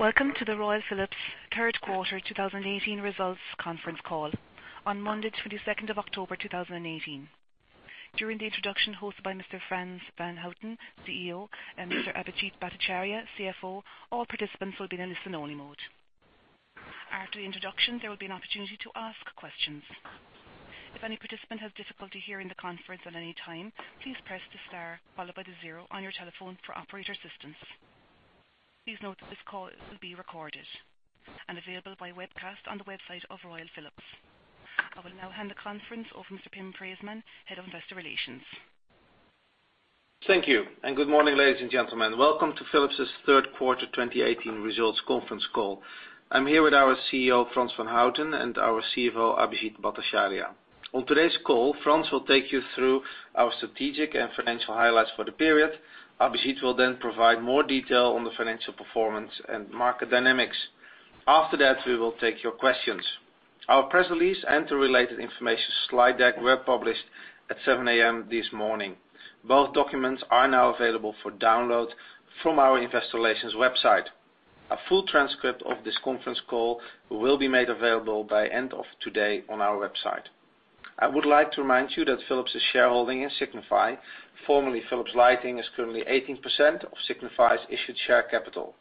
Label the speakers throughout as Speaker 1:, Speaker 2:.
Speaker 1: Welcome to the Royal Philips third quarter 2018 results conference call on Monday, 22nd of October 2018. During the introduction hosted by Mr. Frans van Houten, CEO, and Mr. Abhijit Bhattacharya, CFO, all participants will be in listen only mode. After the introduction, there will be an opportunity to ask questions. If any participant has difficulty hearing the conference at any time, please press the star followed by the zero on your telephone for operator assistance. Please note that this call will be recorded and available by webcast on the website of Royal Philips. I will now hand the conference over to Pim Preesman, Head of Investor Relations.
Speaker 2: Thank you. Good morning, ladies and gentlemen. Welcome to Philips' third quarter 2018 results conference call. I'm here with our CEO, Frans van Houten, and our CFO, Abhijit Bhattacharya. On today's call, Frans will take you through our strategic and financial highlights for the period. Abhijit will then provide more detail on the financial performance and market dynamics. After that, we will take your questions. Our press release and the related information slide deck were published at 7:00 A.M. this morning. Both documents are now available for download from our investor relations website. A full transcript of this conference call will be made available by end of today on our website. I would like to remind you that Philips' shareholding in Signify, formerly Philips Lighting, is currently 18% of Signify's issued share capital.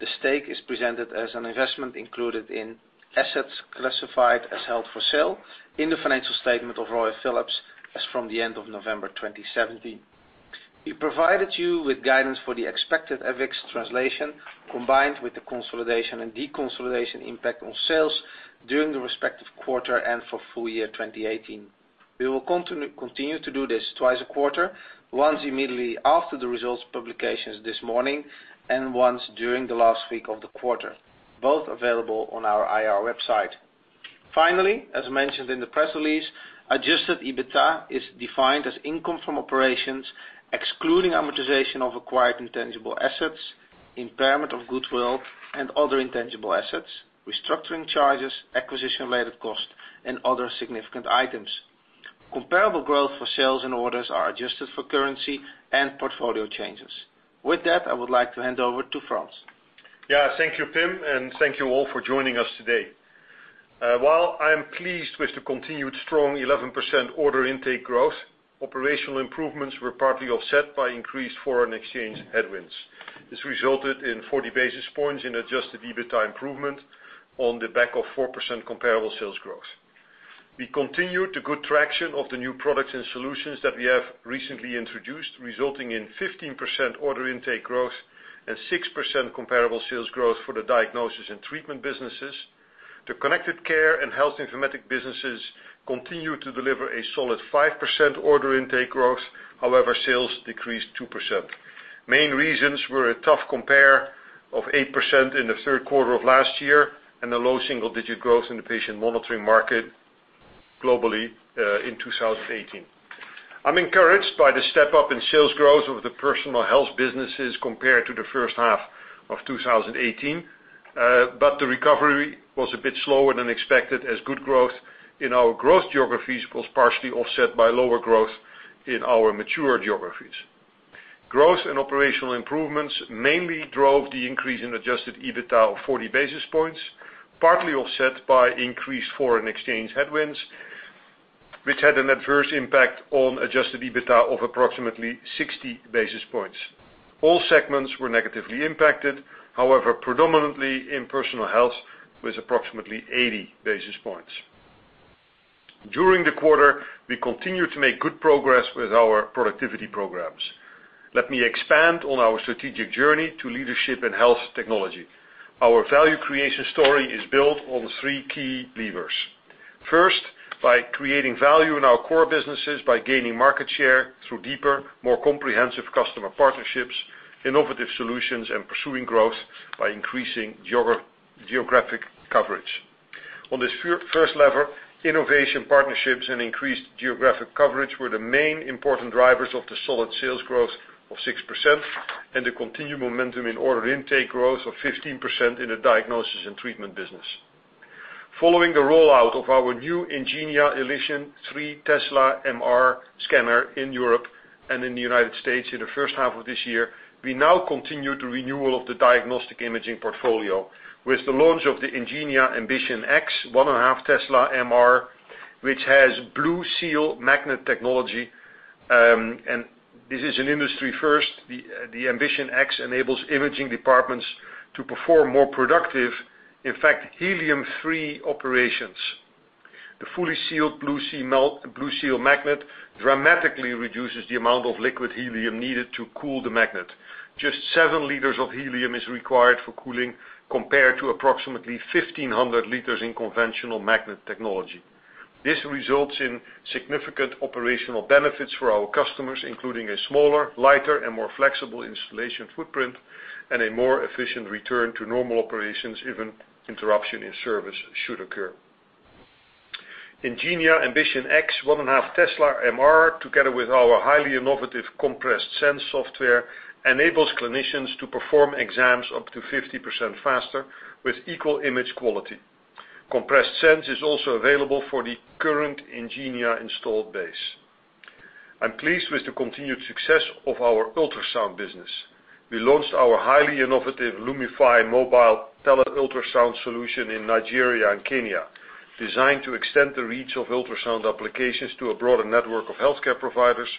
Speaker 2: The stake is presented as an investment included in assets classified as held for sale in the financial statement of Royal Philips as from the end of November 2017. We provided you with guidance for the expected FX translation, combined with the consolidation and deconsolidation impact on sales during the respective quarter and for full year 2018. We will continue to do this twice a quarter, once immediately after the results publications this morning, and once during the last week of the quarter, both available on our IR website. Finally, as mentioned in the press release, adjusted EBITA is defined as income from operations, excluding amortization of acquired intangible assets, impairment of goodwill and other intangible assets, restructuring charges, acquisition-related cost, and other significant items. Comparable growth for sales and orders are adjusted for currency and portfolio changes. With that, I would like to hand over to Frans.
Speaker 3: Thank you, Pim, and thank you all for joining us today. While I am pleased with the continued strong 11% order intake growth, operational improvements were partly offset by increased foreign exchange headwinds. This resulted in 40 basis points in adjusted EBITA improvement on the back of 4% comparable sales growth. We continued the good traction of the new products and solutions that we have recently introduced, resulting in 15% order intake growth and 6% comparable sales growth for the Diagnosis & Treatment businesses. The Connected Care & Health Informatics businesses continued to deliver a solid 5% order intake growth, however, sales decreased 2%. Main reasons were a tough compare of 8% in the third quarter of last year and a low single-digit growth in the patient monitoring market globally, in 2018. I'm encouraged by the step up in sales growth of the Personal Health businesses compared to the first half of 2018. The recovery was a bit slower than expected as good growth in our growth geographies was partially offset by lower growth in our mature geographies. Growth and operational improvements mainly drove the increase in adjusted EBITA of 40 basis points, partly offset by increased foreign exchange headwinds, which had an adverse impact on adjusted EBITA of approximately 60 basis points. All segments were negatively impacted, however, predominantly in Personal Health with approximately 80 basis points. During the quarter, we continued to make good progress with our productivity programs. Let me expand on our strategic journey to leadership in health technology. Our value creation story is built on three key levers. First, by creating value in our core businesses by gaining market share through deeper, more comprehensive customer partnerships, innovative solutions, and pursuing growth by increasing geographic coverage. On this first lever, innovation partnerships and increased geographic coverage were the main important drivers of the solid sales growth of 6% and the continued momentum in order intake growth of 15% in the Diagnosis & Treatment business. Following the rollout of our new Ingenia Elition 3.0 Tesla MR scanner in Europe and in the United States in the first half of this year, we now continue the renewal of the diagnostic imaging portfolio with the launch of the Ingenia Ambition X 1.5 Tesla MR, which has BlueSeal magnet technology. This is an industry first. The Ambition X enables imaging departments to perform more productive, in fact, helium-free operations. The fully sealed BlueSeal magnet dramatically reduces the amount of liquid helium needed to cool the magnet. Just seven liters of helium is required for cooling, compared to approximately 1,500 liters in conventional magnet technology. This results in significant operational benefits for our customers, including a smaller, lighter, and more flexible installation footprint and a more efficient return to normal operations if an interruption in service should occur. Ingenia Ambition X 1.5 Tesla MR, together with our highly innovative Compressed SENSE software, enables clinicians to perform exams up to 50% faster with equal image quality. Compressed SENSE is also available for the current Ingenia installed base. I'm pleased with the continued success of our ultrasound business. We launched our highly innovative Lumify mobile tele ultrasound solution in Nigeria and Kenya, designed to extend the reach of ultrasound applications to a broader network of healthcare providers,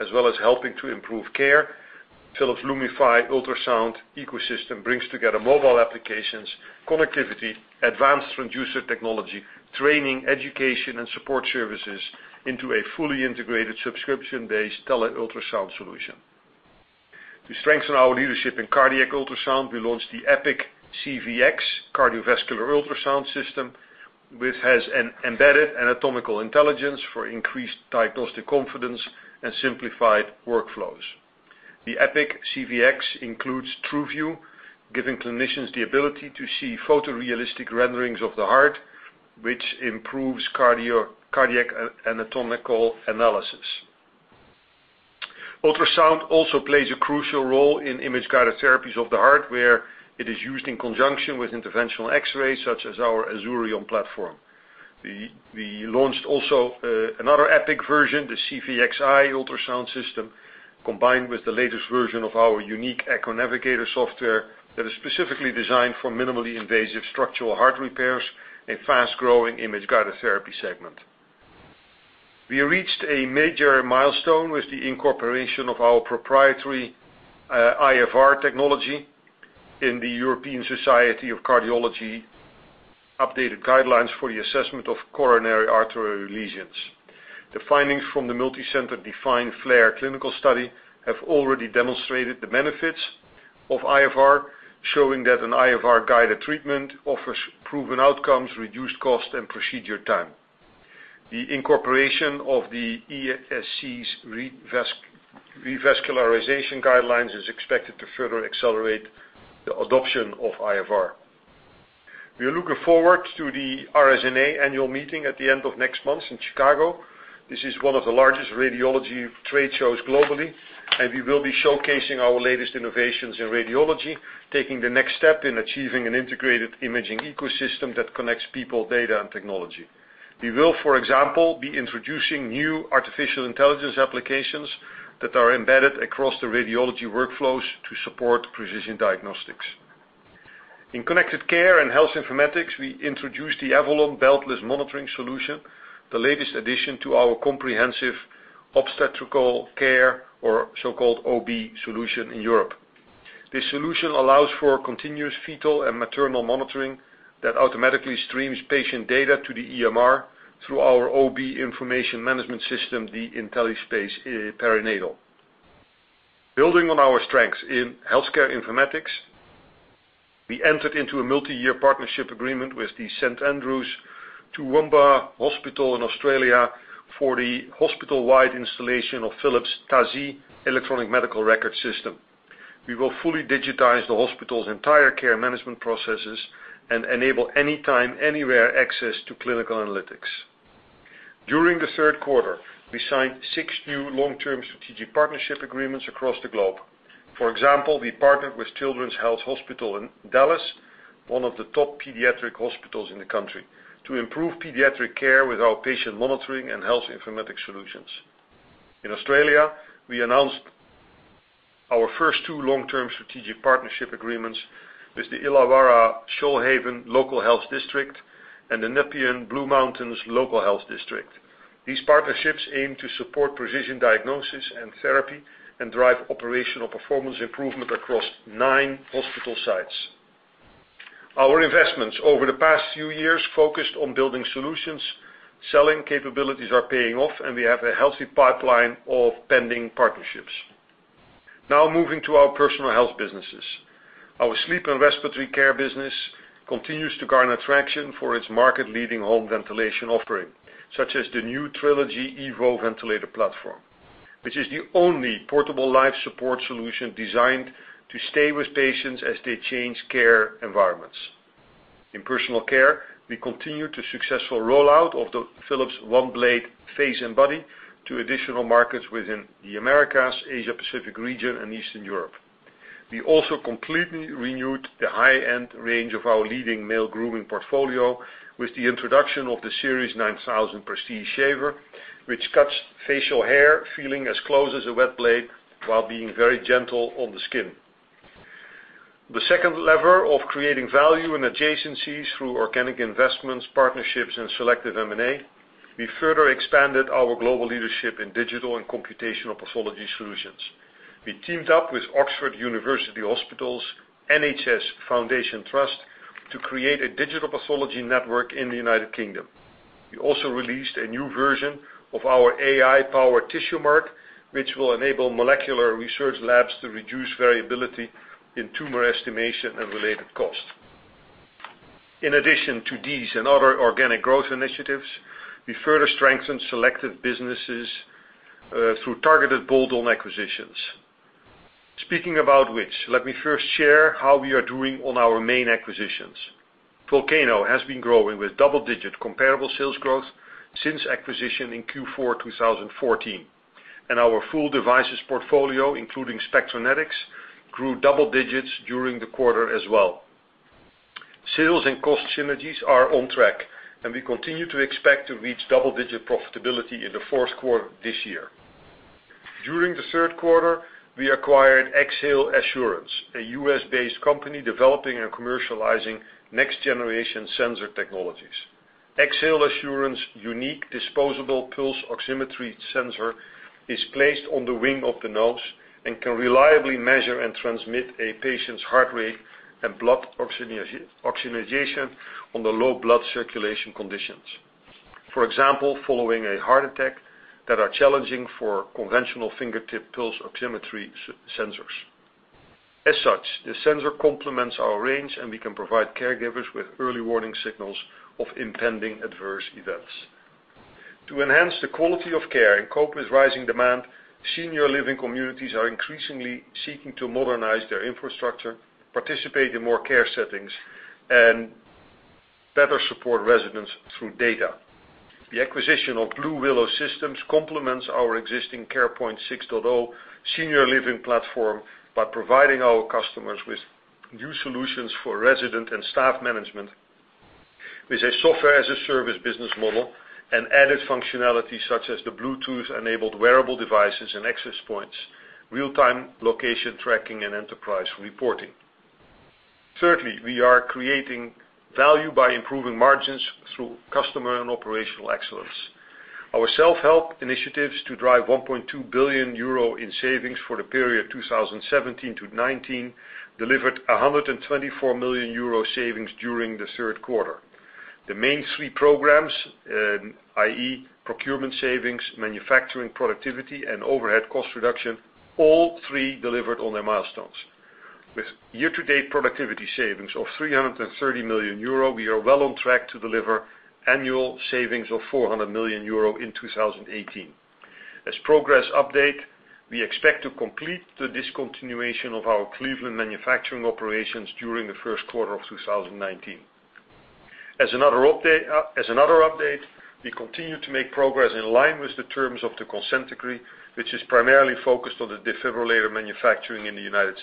Speaker 3: as well as helping to improve care. Philips Lumify ultrasound ecosystem brings together mobile applications, connectivity, advanced transducer technology, training, education, and support services into a fully integrated subscription-based tele ultrasound solution. To strengthen our leadership in cardiac ultrasound, we launched the EPIQ CVx cardiovascular ultrasound system, which has an embedded anatomical intelligence for increased diagnostic confidence and simplified workflows. The EPIQ CVx includes TrueVue, giving clinicians the ability to see photorealistic renderings of the heart, which improves cardiac anatomical analysis. Ultrasound also plays a crucial role in image-guided therapies of the heart, where it is used in conjunction with interventional X-rays, such as our Azurion platform. We launched also another EPIQ version, the EPIQ CVxi ultrasound system, combined with the latest version of our unique EchoNavigator software that is specifically designed for minimally invasive structural heart repairs, a fast-growing image-guided therapy segment. We reached a major milestone with the incorporation of our proprietary iFR technology in the European Society of Cardiology updated guidelines for the assessment of coronary artery lesions. The findings from the multi-center DEFINE-FLAIR clinical study have already demonstrated the benefits of iFR, showing that an iFR guided treatment offers proven outcomes, reduced cost, and procedure time. The incorporation of the ESC's revascularization guidelines is expected to further accelerate the adoption of iFR. We are looking forward to the RSNA annual meeting at the end of next month in Chicago. This is one of the largest radiology trade shows globally, we will be showcasing our latest innovations in radiology, taking the next step in achieving an integrated imaging ecosystem that connects people, data, and technology. We will, for example, be introducing new artificial intelligence applications that are embedded across the radiology workflows to support precision diagnostics. In Connected Care & Health Informatics, we introduced the Avalon beltless monitoring solution, the latest addition to our comprehensive obstetrical care or so-called OB solution in Europe. This solution allows for continuous fetal and maternal monitoring that automatically streams patient data to the EMR through our OB information management system, the IntelliSpace Perinatal. Building on our strengths in healthcare informatics, we entered into a multi-year partnership agreement with the St Andrew's Toowoomba Hospital in Australia for the hospital-wide installation of Philips Tasy electronic medical record system. We will fully digitize the hospital's entire care management processes and enable anytime, anywhere access to clinical analytics. During the third quarter, we signed six new long-term strategic partnership agreements across the globe. For example, we partnered with Children's Health Hospital in Dallas, one of the top pediatric hospitals in the country, to improve pediatric care with our patient monitoring and health informatics solutions. In Australia, we announced our first two long-term strategic partnership agreements with the Illawarra Shoalhaven Local Health District and the Nepean Blue Mountains Local Health District. These partnerships aim to support precision diagnosis and therapy and drive operational performance improvement across nine hospital sites. Our investments over the past few years focused on building solutions. Selling capabilities are paying off, we have a healthy pipeline of pending partnerships. Moving to our Personal Health businesses. Our sleep and respiratory care business continues to garner traction for its market leading home ventilation offering, such as the new Trilogy Evo ventilator platform, which is the only portable life support solution designed to stay with patients as they change care environments. In personal care, we continue to successful rollout of the Philips OneBlade Face and Body to additional markets within the Americas, Asia Pacific region, and Eastern Europe. We also completely renewed the high-end range of our leading male grooming portfolio with the introduction of the Series 9000 Prestige Shaver, which cuts facial hair feeling as close as a wet blade while being very gentle on the skin. The second lever of creating value in adjacencies through organic investments, partnerships, and selective M&A, we further expanded our global leadership in digital and computational pathology solutions. We teamed up with Oxford University Hospitals NHS Foundation Trust to create a digital pathology network in the United Kingdom. We also released a new version of our AI-powered TissueMark, which will enable molecular research labs to reduce variability in tumor estimation and related cost. In addition to these and other organic growth initiatives, we further strengthened selective businesses through targeted bolt-on acquisitions. Speaking about which, let me first share how we are doing on our main acquisitions. Volcano has been growing with double-digit comparable sales growth since acquisition in Q4 2014, and our full devices portfolio, including Spectranetics, grew double digits during the quarter as well. Sales and cost synergies are on track, and we continue to expect to reach double-digit profitability in the fourth quarter this year. During the third quarter, we acquired Xhale Assurance, a U.S.-based company developing and commercializing next-generation sensor technologies. Xhale Assurance unique disposable pulse oximetry sensor is placed on the wing of the nose and can reliably measure and transmit a patient's heart rate and blood oxygenation under low blood circulation conditions. For example, following a heart attack that are challenging for conventional fingertip pulse oximetry sensors. As such, the sensor complements our range, and we can provide caregivers with early warning signals of impending adverse events. To enhance the quality of care and cope with rising demand, senior living communities are increasingly seeking to modernize their infrastructure, participate in more care settings, and better support residents through data. The acquisition of Blue Willow Systems complements our existing CarePoint 6.0 senior living platform by providing our customers with new solutions for resident and staff management with a software-as-a-service business model and added functionality such as the Bluetooth-enabled wearable devices and access points, real-time location tracking, and enterprise reporting. Thirdly, we are creating value by improving margins through customer and operational excellence. Our self-help initiatives to drive 1.2 billion euro in savings for the period 2017 to 2019 delivered 124 million euro savings during the third quarter. The main three programs, i.e. procurement savings, manufacturing productivity, and overhead cost reduction, all three delivered on their milestones. With year-to-date productivity savings of 330 million euro, we are well on track to deliver annual savings of 400 million euro in 2018. As progress update, we expect to complete the discontinuation of our Cleveland manufacturing operations during the first quarter of 2019. As another update, we continue to make progress in line with the terms of the consent decree, which is primarily focused on the defibrillator manufacturing in the U.S.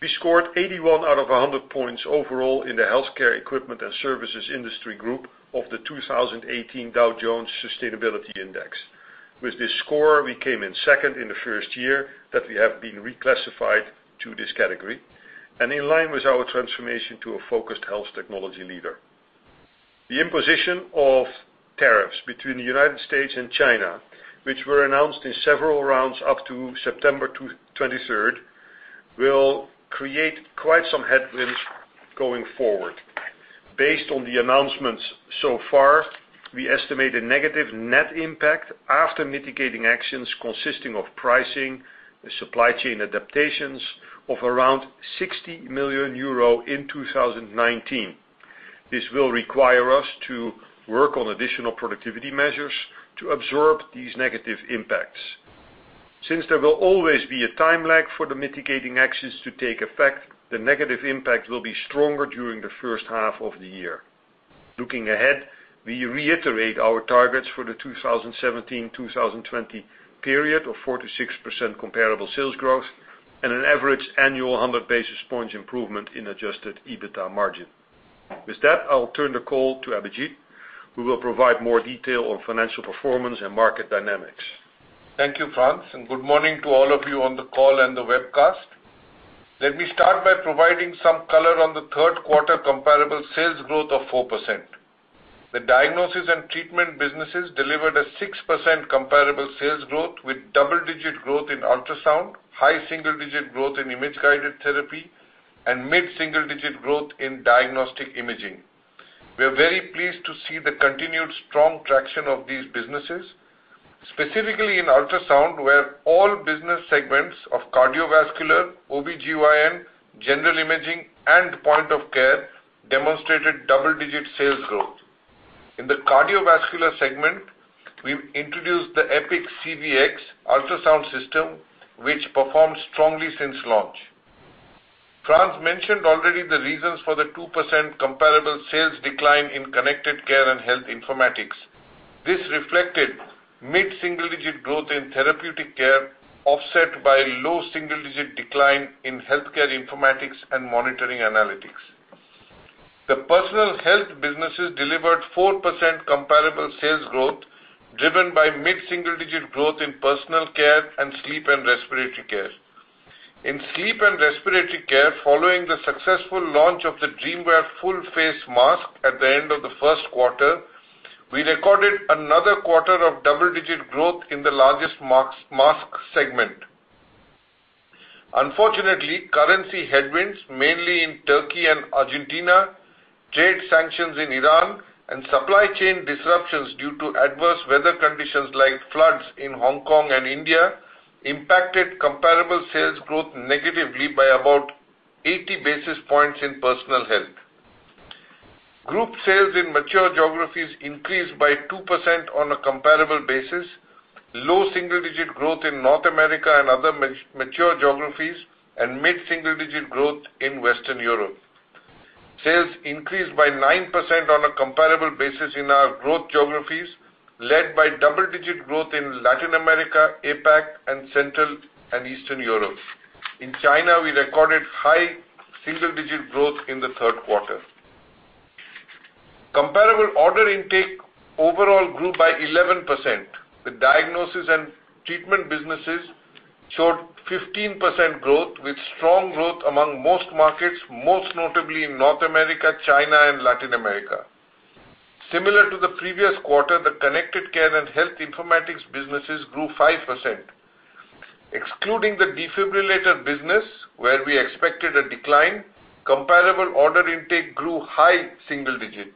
Speaker 3: We scored 81 out of 100 points overall in the healthcare equipment and services industry group of the 2018 Dow Jones Sustainability Index. With this score, we came in second in the first year that we have been reclassified to this category, and in line with our transformation to a focused health technology leader. The imposition of tariffs between the U.S. and China, which were announced in several rounds up to September 23rd, will create quite some headwinds going forward. Based on the announcements so far, we estimate a negative net impact after mitigating actions consisting of pricing, supply chain adaptations of around 60 million euro in 2019. This will require us to work on additional productivity measures to absorb these negative impacts. Since there will always be a time lag for the mitigating actions to take effect, the negative impact will be stronger during the first half of the year. Looking ahead, we reiterate our targets for the 2017-2020 period of 4%-6% comparable sales growth and an average annual 100-basis points improvement in adjusted EBITA margin. With that, I will turn the call to Abhijit, who will provide more detail on financial performance and market dynamics.
Speaker 4: Thank you, Frans, and good morning to all of you on the call and the webcast. Let me start by providing some color on the third quarter comparable sales growth of 4%. The Diagnosis & Treatment businesses delivered a 6% comparable sales growth with double-digit growth in ultrasound, high single-digit growth in Image-Guided Therapy, and mid-single-digit growth in diagnostic imaging. We are very pleased to see the continued strong traction of these businesses, specifically in ultrasound, where all business segments of Cardiovascular, OBGYN, general imaging, and point of care demonstrated double-digit sales growth. In the Cardiovascular segment, we introduced the EPIQ CVx ultrasound system, which performed strongly since launch. Frans mentioned already the reasons for the 2% comparable sales decline in Connected Care & Health Informatics. This reflected mid-single-digit growth in therapeutic care, offset by low single-digit decline in Healthcare Informatics and Monitoring Analytics. The Personal Health businesses delivered 4% comparable sales growth, driven by mid-single-digit growth in Personal Care and Sleep and Respiratory Care. In Sleep and Respiratory Care, following the successful launch of the DreamWear full face mask at the end of the first quarter, we recorded another quarter of double-digit growth in the largest mask segment. Unfortunately, currency headwinds, mainly in Turkey and Argentina, trade sanctions in Iran, and supply chain disruptions due to adverse weather conditions like floods in Hong Kong and India impacted comparable sales growth negatively by about 80 basis points in Personal Health. Group sales in mature geographies increased by 2% on a comparable basis, low single-digit growth in North America and other mature geographies, and mid-single-digit growth in Western Europe. Sales increased by 9% on a comparable basis in our growth geographies, led by double-digit growth in Latin America, APAC, and Central and Eastern Europe. In China, we recorded high single-digit growth in the third quarter. Comparable order intake overall grew by 11%, with Diagnosis & Treatment businesses showed 15% growth, with strong growth among most markets, most notably in North America, China, and Latin America. Similar to the previous quarter, the Connected Care & Health Informatics businesses grew 5%. Excluding the defibrillator business, where we expected a decline, comparable order intake grew high single-digit.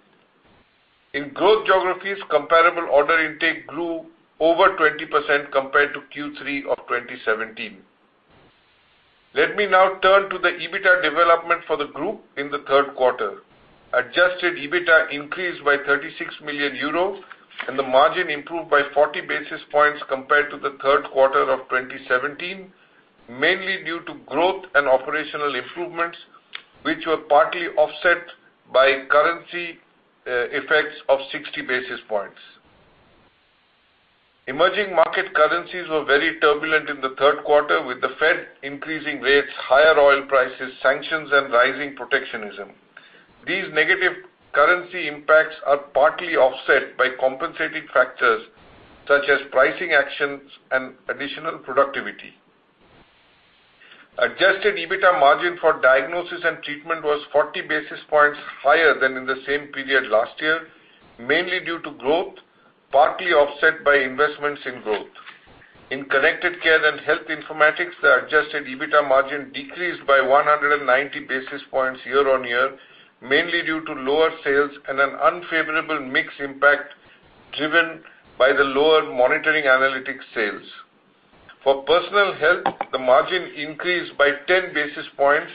Speaker 4: In growth geographies, comparable order intake grew over 20% compared to Q3 of 2017. Let me now turn to the EBITA development for the group in the third quarter. Adjusted EBITA increased by 36 million euro and the margin improved by 40 basis points compared to the third quarter of 2017, mainly due to growth and operational improvements, which were partly offset by currency effects of 60 basis points. Emerging market currencies were very turbulent in the third quarter, with the Fed increasing rates, higher oil prices, sanctions and rising protectionism. These negative currency impacts are partly offset by compensating factors such as pricing actions and additional productivity. Adjusted EBITA margin for Diagnosis & Treatment was 40 basis points higher than in the same period last year, mainly due to growth, partly offset by investments in growth. In Connected Care & Health Informatics, the adjusted EBITA margin decreased by 190 basis points year on year, mainly due to lower sales and an unfavorable mix impact driven by the lower monitoring analytics sales. For Personal Health, the margin increased by 10 basis points,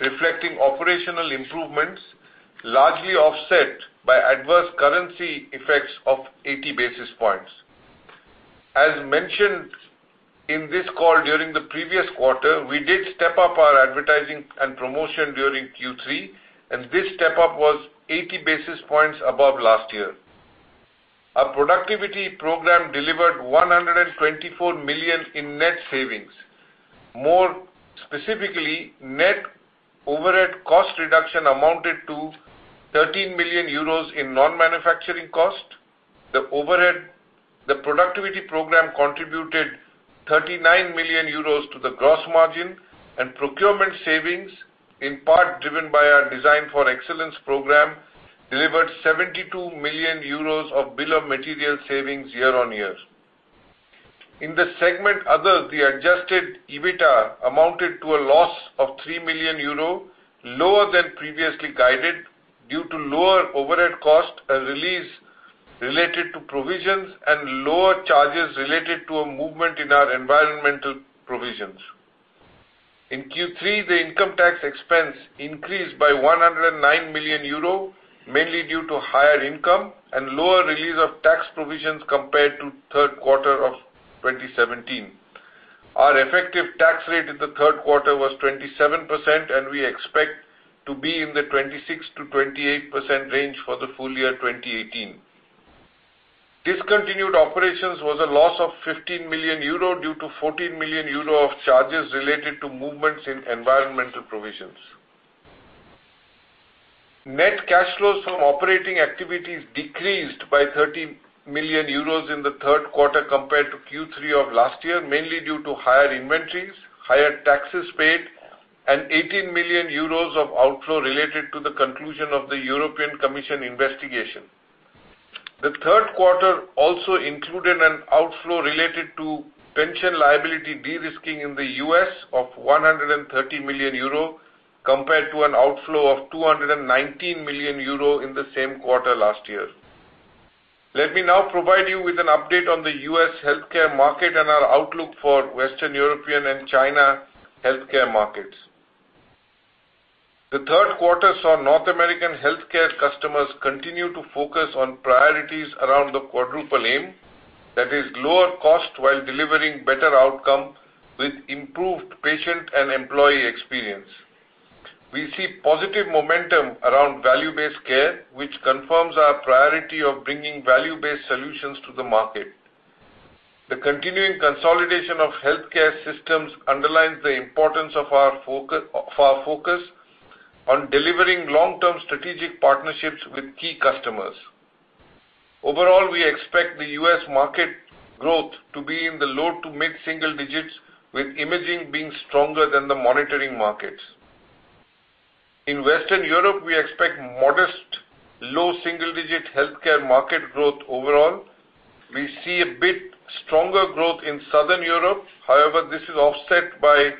Speaker 4: reflecting operational improvements largely offset by adverse currency effects of 80 basis points. As mentioned in this call during the previous quarter, we did step up our advertising and promotion during Q3. This step up was 80 basis points above last year. Our productivity program delivered 124 million in net savings. More specifically, net overhead cost reduction amounted to 13 million euros in non-manufacturing cost. The productivity program contributed 39 million euros to the gross margin, and procurement savings, in part driven by our Design for Excellence program, delivered 72 million euros of bill of material savings year on year. In the segment other, the adjusted EBITA amounted to a loss of 3 million euro, lower than previously guided, due to lower overhead cost, a release related to provisions and lower charges related to a movement in our environmental provisions. In Q3, the income tax expense increased by 109 million euro, mainly due to higher income and lower release of tax provisions compared to third quarter of 2017. Our effective tax rate in the third quarter was 27%, and we expect to be in the 26%-28% range for the full year 2018. Discontinued operations was a loss of 15 million euro due to 14 million euro of charges related to movements in environmental provisions. Net cash flows from operating activities decreased by 13 million euros in the third quarter compared to Q3 of last year, mainly due to higher inventories, higher taxes paid, and 18 million euros of outflow related to the conclusion of the European Commission investigation. The third quarter also included an outflow related to pension liability de-risking in the U.S. of 130 million euro compared to an outflow of 219 million euro in the same quarter last year. Let me now provide you with an update on the U.S. healthcare market and our outlook for Western European and China healthcare markets. The third quarter saw North American healthcare customers continue to focus on priorities around the Quadruple Aim. That is lower cost while delivering better outcome with improved patient and employee experience. We see positive momentum around Value-Based Care, which confirms our priority of bringing value-based solutions to the market. The continuing consolidation of healthcare systems underlines the importance of our focus on delivering Long-term Strategic Partnerships with key customers. Overall, we expect the U.S. market growth to be in the low to mid single digits, with imaging being stronger than the monitoring markets. In Western Europe, we expect modest low single digit healthcare market growth overall. We see a bit stronger growth in Southern Europe. However, this is offset by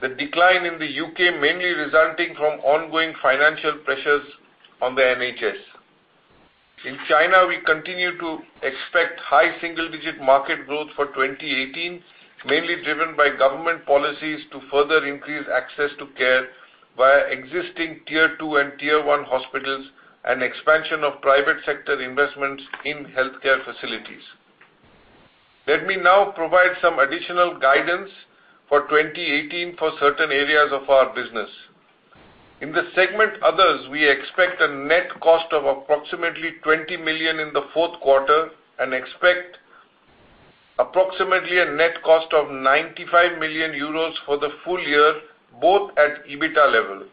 Speaker 4: the decline in the U.K., mainly resulting from ongoing financial pressures on the NHS. In China, we continue to expect high single-digit market growth for 2018, mainly driven by government policies to further increase access to care via existing Tier 2 and Tier 1 hospitals and expansion of private sector investments in healthcare facilities. Let me now provide some additional guidance for 2018 for certain areas of our business. In the segment others, we expect a net cost of approximately 20 million in the fourth quarter and expect approximately a net cost of 95 million euros for the full year, both at EBITDA level.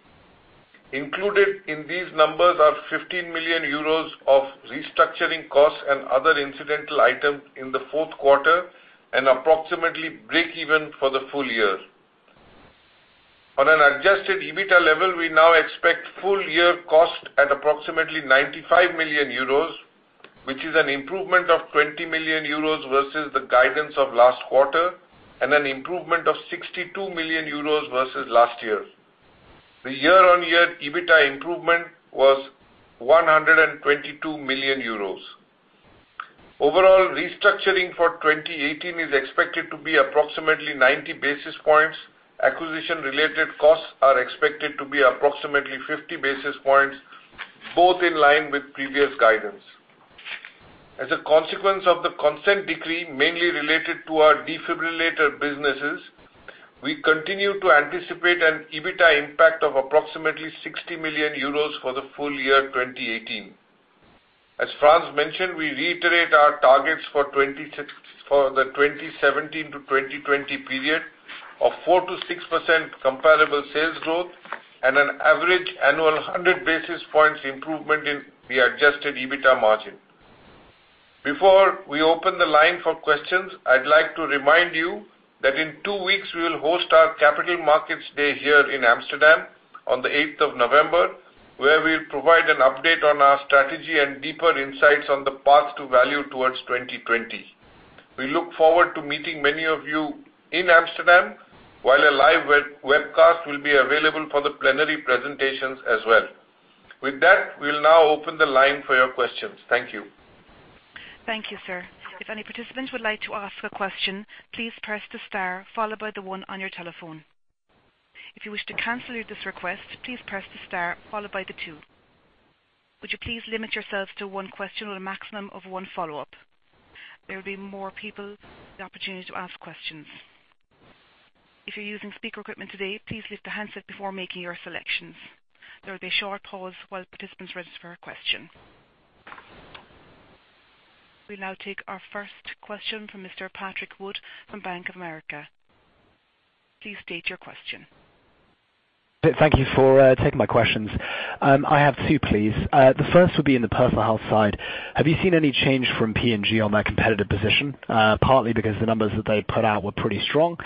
Speaker 4: Included in these numbers are 15 million euros of restructuring costs and other incidental items in the fourth quarter and approximately break-even for the full year. On an adjusted EBITDA level, we now expect full year cost at approximately 95 million euros, which is an improvement of 20 million euros versus the guidance of last quarter and an improvement of 62 million euros versus last year. The year-on-year EBITDA improvement was 122 million euros. Overall, restructuring for 2018 is expected to be approximately 90 basis points. Acquisition-related costs are expected to be approximately 50 basis points, both in line with previous guidance. As a consequence of the consent decree, mainly related to our defibrillator businesses, we continue to anticipate an EBITDA impact of approximately 60 million euros for the full year 2018. As Frans mentioned, we reiterate our targets for the 2017-2020 period of 4%-6% comparable sales growth and an average annual 100 basis points improvement in the adjusted EBITDA margin. Before we open the line for questions, I'd like to remind you that in two weeks we will host our capital markets day here in Amsterdam on the 8th of November, where we'll provide an update on our strategy and deeper insights on the path to value towards 2020. We look forward to meeting many of you in Amsterdam, while a live webcast will be available for the plenary presentations as well. With that, we'll now open the line for your questions. Thank you.
Speaker 1: Thank you, sir. If any participant would like to ask a question, please press the star followed by the one on your telephone. If you wish to cancel this request, please press the star followed by the two. Would you please limit yourself to one question or a maximum of one follow-up? There will be more people with the opportunity to ask questions. If you're using speaker equipment today, please lift the handset before making your selections. There will be a short pause while participants register a question. We'll now take our first question from Mr. Patrick Wood from Bank of America. Please state your question.
Speaker 5: Thank you for taking my questions. I have two, please. The first will be in the Personal Health side. Have you seen any change from P&G on their competitive position? Partly because the numbers that they put out were pretty strong,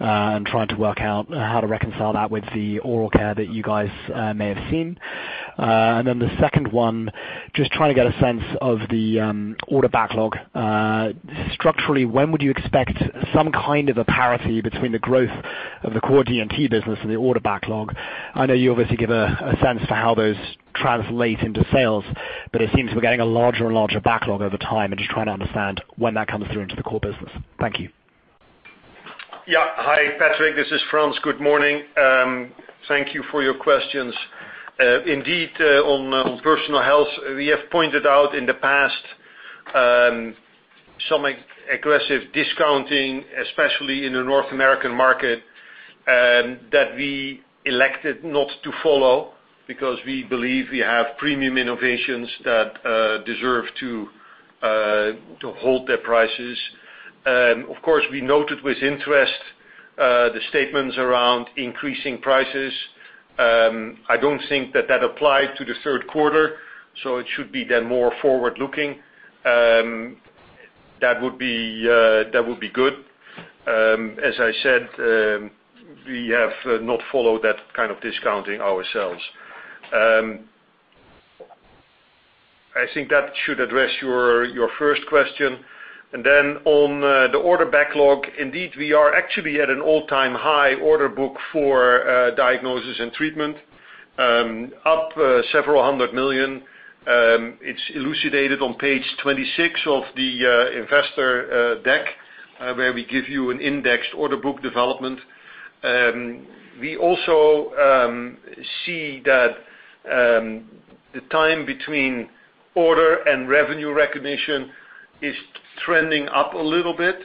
Speaker 5: I am trying to work out how to reconcile that with the oral care that you guys may have seen. The second one, just trying to get a sense of the order backlog. Structurally, when would you expect some kind of a parity between the growth of the core D&T business and the order backlog? I know you obviously give a sense for how those translate into sales, but it seems we are getting a larger and larger backlog over time and just trying to understand when that comes through into the core business. Thank you.
Speaker 3: Yeah. Hi, Patrick. This is Frans. Good morning. Thank you for your questions. Indeed, on Personal Health, we have pointed out in the past some aggressive discounting, especially in the North American market, that we elected not to follow because we believe we have premium innovations that deserve to hold their prices. Of course, we noted with interest, the statements around increasing prices. I do not think that that applied to the third quarter, so it should be more forward-looking. That would be good. As I said, we have not followed that kind of discounting ourselves. I think that should address your first question. Then on the order backlog, indeed, we are actually at an all-time high order book for Diagnosis & Treatment, up several hundred million EUR. It is elucidated on page 26 of the investor deck, where we give you an indexed order book development. We also see that the time between order and revenue recognition is trending up a little bit,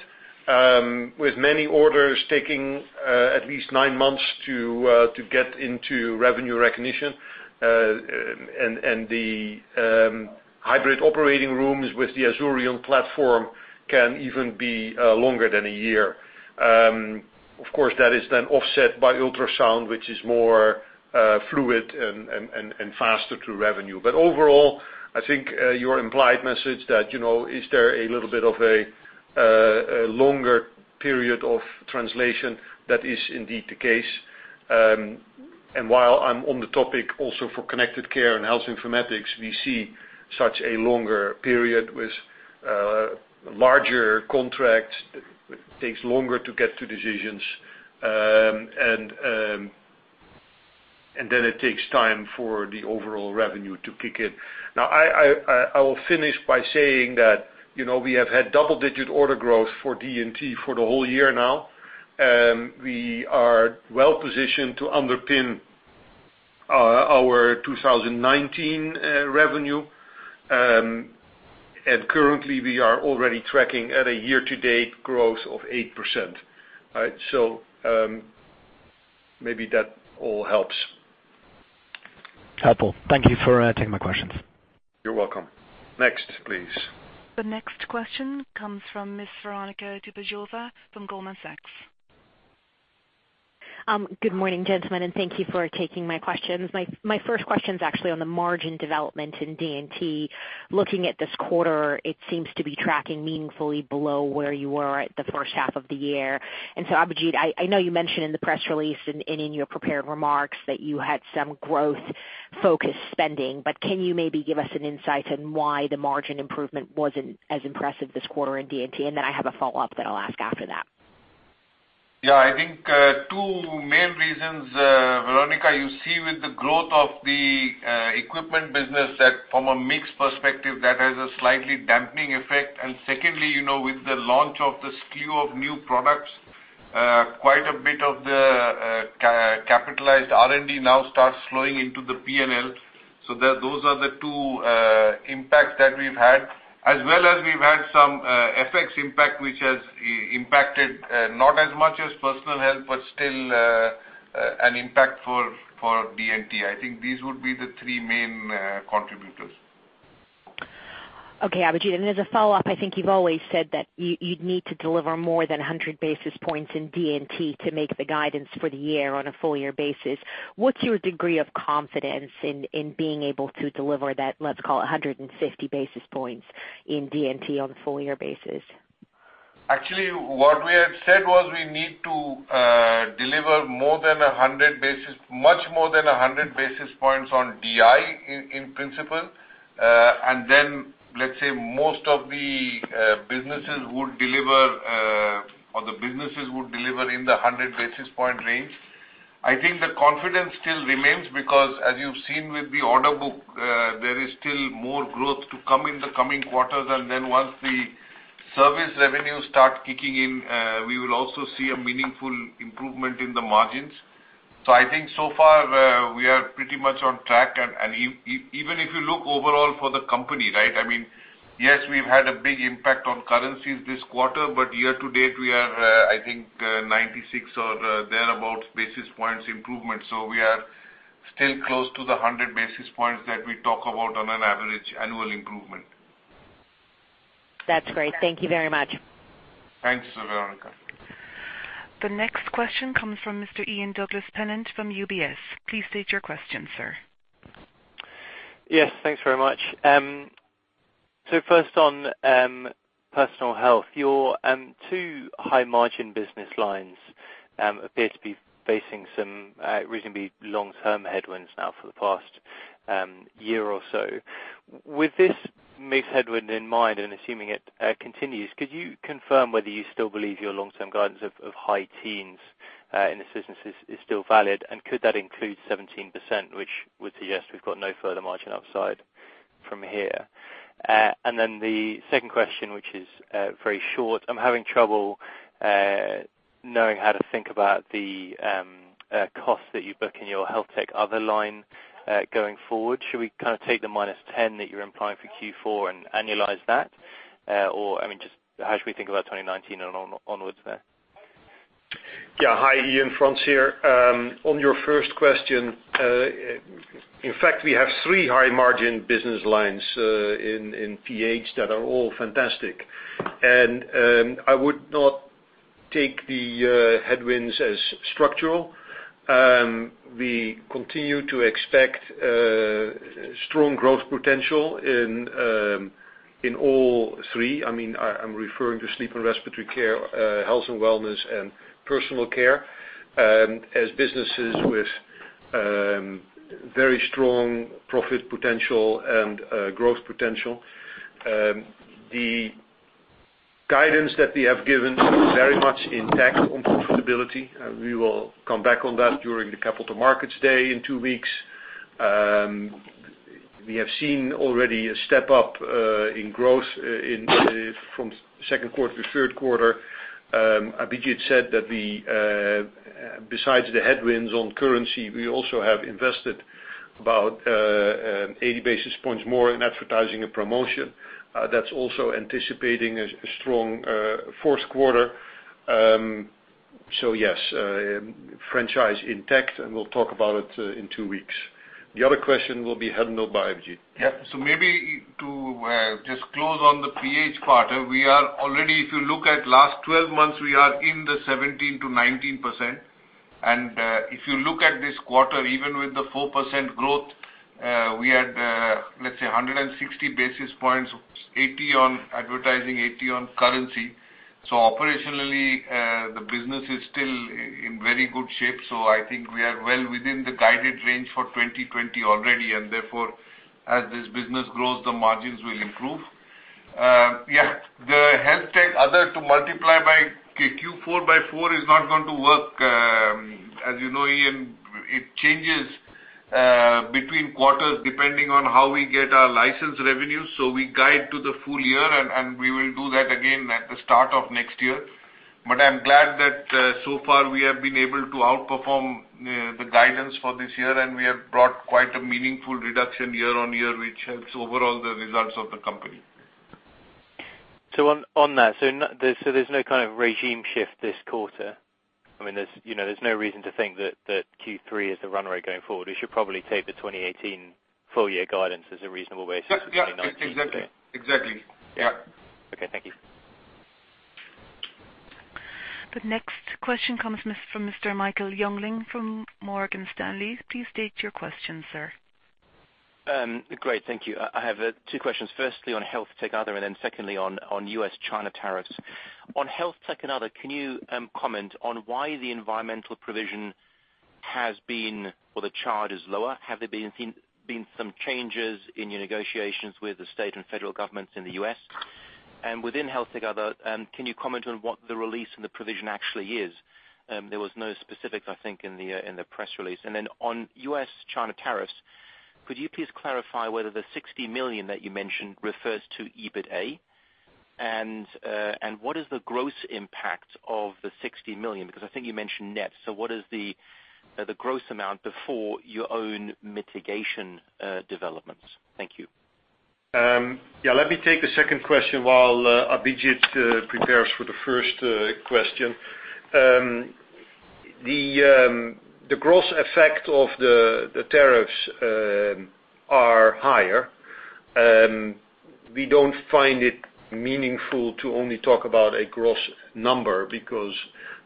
Speaker 3: with many orders taking at least nine months to get into revenue recognition. The hybrid operating rooms with the Azurion platform can even be longer than a year. Of course, that is then offset by ultrasound, which is more fluid and faster to revenue. Overall, I think your implied message that, is there a little bit of a longer period of translation? That is indeed the case. While I am on the topic also for Connected Care & Health Informatics, we see such a longer period with larger contracts. It takes longer to get to decisions. Then it takes time for the overall revenue to kick in. I will finish by saying that we have had double-digit order growth for D&T for the whole year now. We are well positioned to underpin our 2019 revenue. Currently, we are already tracking at a year-to-date growth of 8%. Maybe that all helps.
Speaker 5: Helpful. Thank you for taking my questions.
Speaker 3: You're welcome. Next, please.
Speaker 1: The next question comes from Ms. Veronika Dubajova from Goldman Sachs.
Speaker 6: Good morning, gentlemen, and thank you for taking my questions. My first question's actually on the margin development in D&T. Looking at this quarter, it seems to be tracking meaningfully below where you were at the first half of the year. Abhijit, I know you mentioned in the press release and in your prepared remarks that you had some growth-focused spending, can you maybe give us an insight on why the margin improvement wasn't as impressive this quarter in D&T? I have a follow-up that I'll ask after that.
Speaker 4: Yeah, I think two main reasons, Veronika. You see with the growth of the equipment business that from a mix perspective, that has a slightly dampening effect. Secondly, with the launch of the SKU of new products, quite a bit of the capitalized R&D now starts flowing into the P&L. Those are the two impacts that we've had. As well as we've had some FX impact, which has impacted, not as much as Personal Health, but still an impact for D&T. I think these would be the three main contributors.
Speaker 6: Okay, Abhijit. As a follow-up, I think you've always said that you'd need to deliver more than 100 basis points in D&T to make the guidance for the year on a full year basis. What's your degree of confidence in being able to deliver that, let's call it 150 basis points in D&T on a full year basis?
Speaker 4: Actually, what we had said was we need to deliver much more than 100 basis points on D&T, in principle. Let's say most of the businesses would deliver in the 100 basis point range. I think the confidence still remains because as you've seen with the order book, there is still more growth to come in the coming quarters. Once the service revenue start kicking in, we will also see a meaningful improvement in the margins. I think so far, we are pretty much on track. Even if you look overall for the company, yes, we've had a big impact on currencies this quarter, but year to date, we are, I think, 96 or thereabout basis points improvement. We are still close to the 100 basis points that we talk about on an average annual improvement.
Speaker 6: That's great. Thank you very much.
Speaker 4: Thanks, Veronika.
Speaker 1: The next question comes from Mr. Ian Douglas-Pennant from UBS. Please state your question, sir.
Speaker 7: Yes, thanks very much. First on Personal Health. Your two high margin business lines appear to be facing some reasonably long-term headwinds now for the past year or so. With this mixed headwind in mind and assuming it continues, could you confirm whether you still believe your long-term guidance of high teens in this business is still valid? Could that include 17%, which would suggest we've got no further margin upside from here? The second question, which is very short. I'm having trouble knowing how to think about the cost that you book in your Healthtech Other line going forward. Should we take the minus 10 that you're implying for Q4 and annualize that? Just how should we think about 2019 and onwards there?
Speaker 3: Hi, Ian. Frans here. On your first question, in fact, we have three high margin business lines in PH that are all fantastic. I would not take the headwinds as structural. We continue to expect strong growth potential in all three. I am referring to sleep and respiratory care, health and wellness, and personal care as businesses with very strong profit potential and growth potential. The guidance that we have given is very much intact on profitability. We will come back on that during the capital markets day in two weeks. We have seen already a step-up in growth from second quarter to third quarter. Abhijit said that besides the headwinds on currency, we also have invested about 80 basis points more in advertising and promotion. That is also anticipating a strong fourth quarter. Yes, franchise intact, and we will talk about it in two weeks. The other question will be handled by Abhijit.
Speaker 4: Maybe to just close on the PH quarter. If you look at last 12 months, we are in the 17%-19%. If you look at this quarter, even with the 4% growth, we had, let's say, 160 basis points, 80 on advertising, 80 on currency. Operationally, the business is still in very good shape. I think we are well within the guided range for 2020 already, and therefore, as this business grows, the margins will improve. The Healthtech Other to multiply Q4 by four is not going to work. As you know, Ian, it changes between quarters depending on how we get our license revenue. We guide to the full year, and we will do that again at the start of next year. I am glad that so far we have been able to outperform the guidance for this year, and we have brought quite a meaningful reduction year-over-year, which helps overall the results of the company.
Speaker 7: On that, so there's no kind of regime shift this quarter. There's no reason to think that Q3 is the runway going forward. We should probably take the 2018 full year guidance as a reasonable basis for 2019.
Speaker 4: Yeah. Exactly.
Speaker 7: Yeah. Okay. Thank you.
Speaker 1: The next question comes from Mr. Michael Jungling from Morgan Stanley. Please state your question, sir.
Speaker 8: Great. Thank you. I have two questions. Firstly, on HealthTech other, then secondly on U.S. China tariffs. On HealthTech and other, can you comment on why the environmental provision has been, or the charge is lower? Have there been some changes in your negotiations with the state and federal governments in the U.S.? Within HealthTech other, can you comment on what the release and the provision actually is? There was no specifics, I think, in the press release. On U.S. China tariffs, could you please clarify whether the 60 million that you mentioned refers to EBITA? What is the gross impact of the 60 million? I think you mentioned net. What is the gross amount before your own mitigation developments? Thank you.
Speaker 3: Let me take the second question while Abhijit prepares for the first question. The gross effect of the tariffs are higher. We don't find it meaningful to only talk about a gross number, because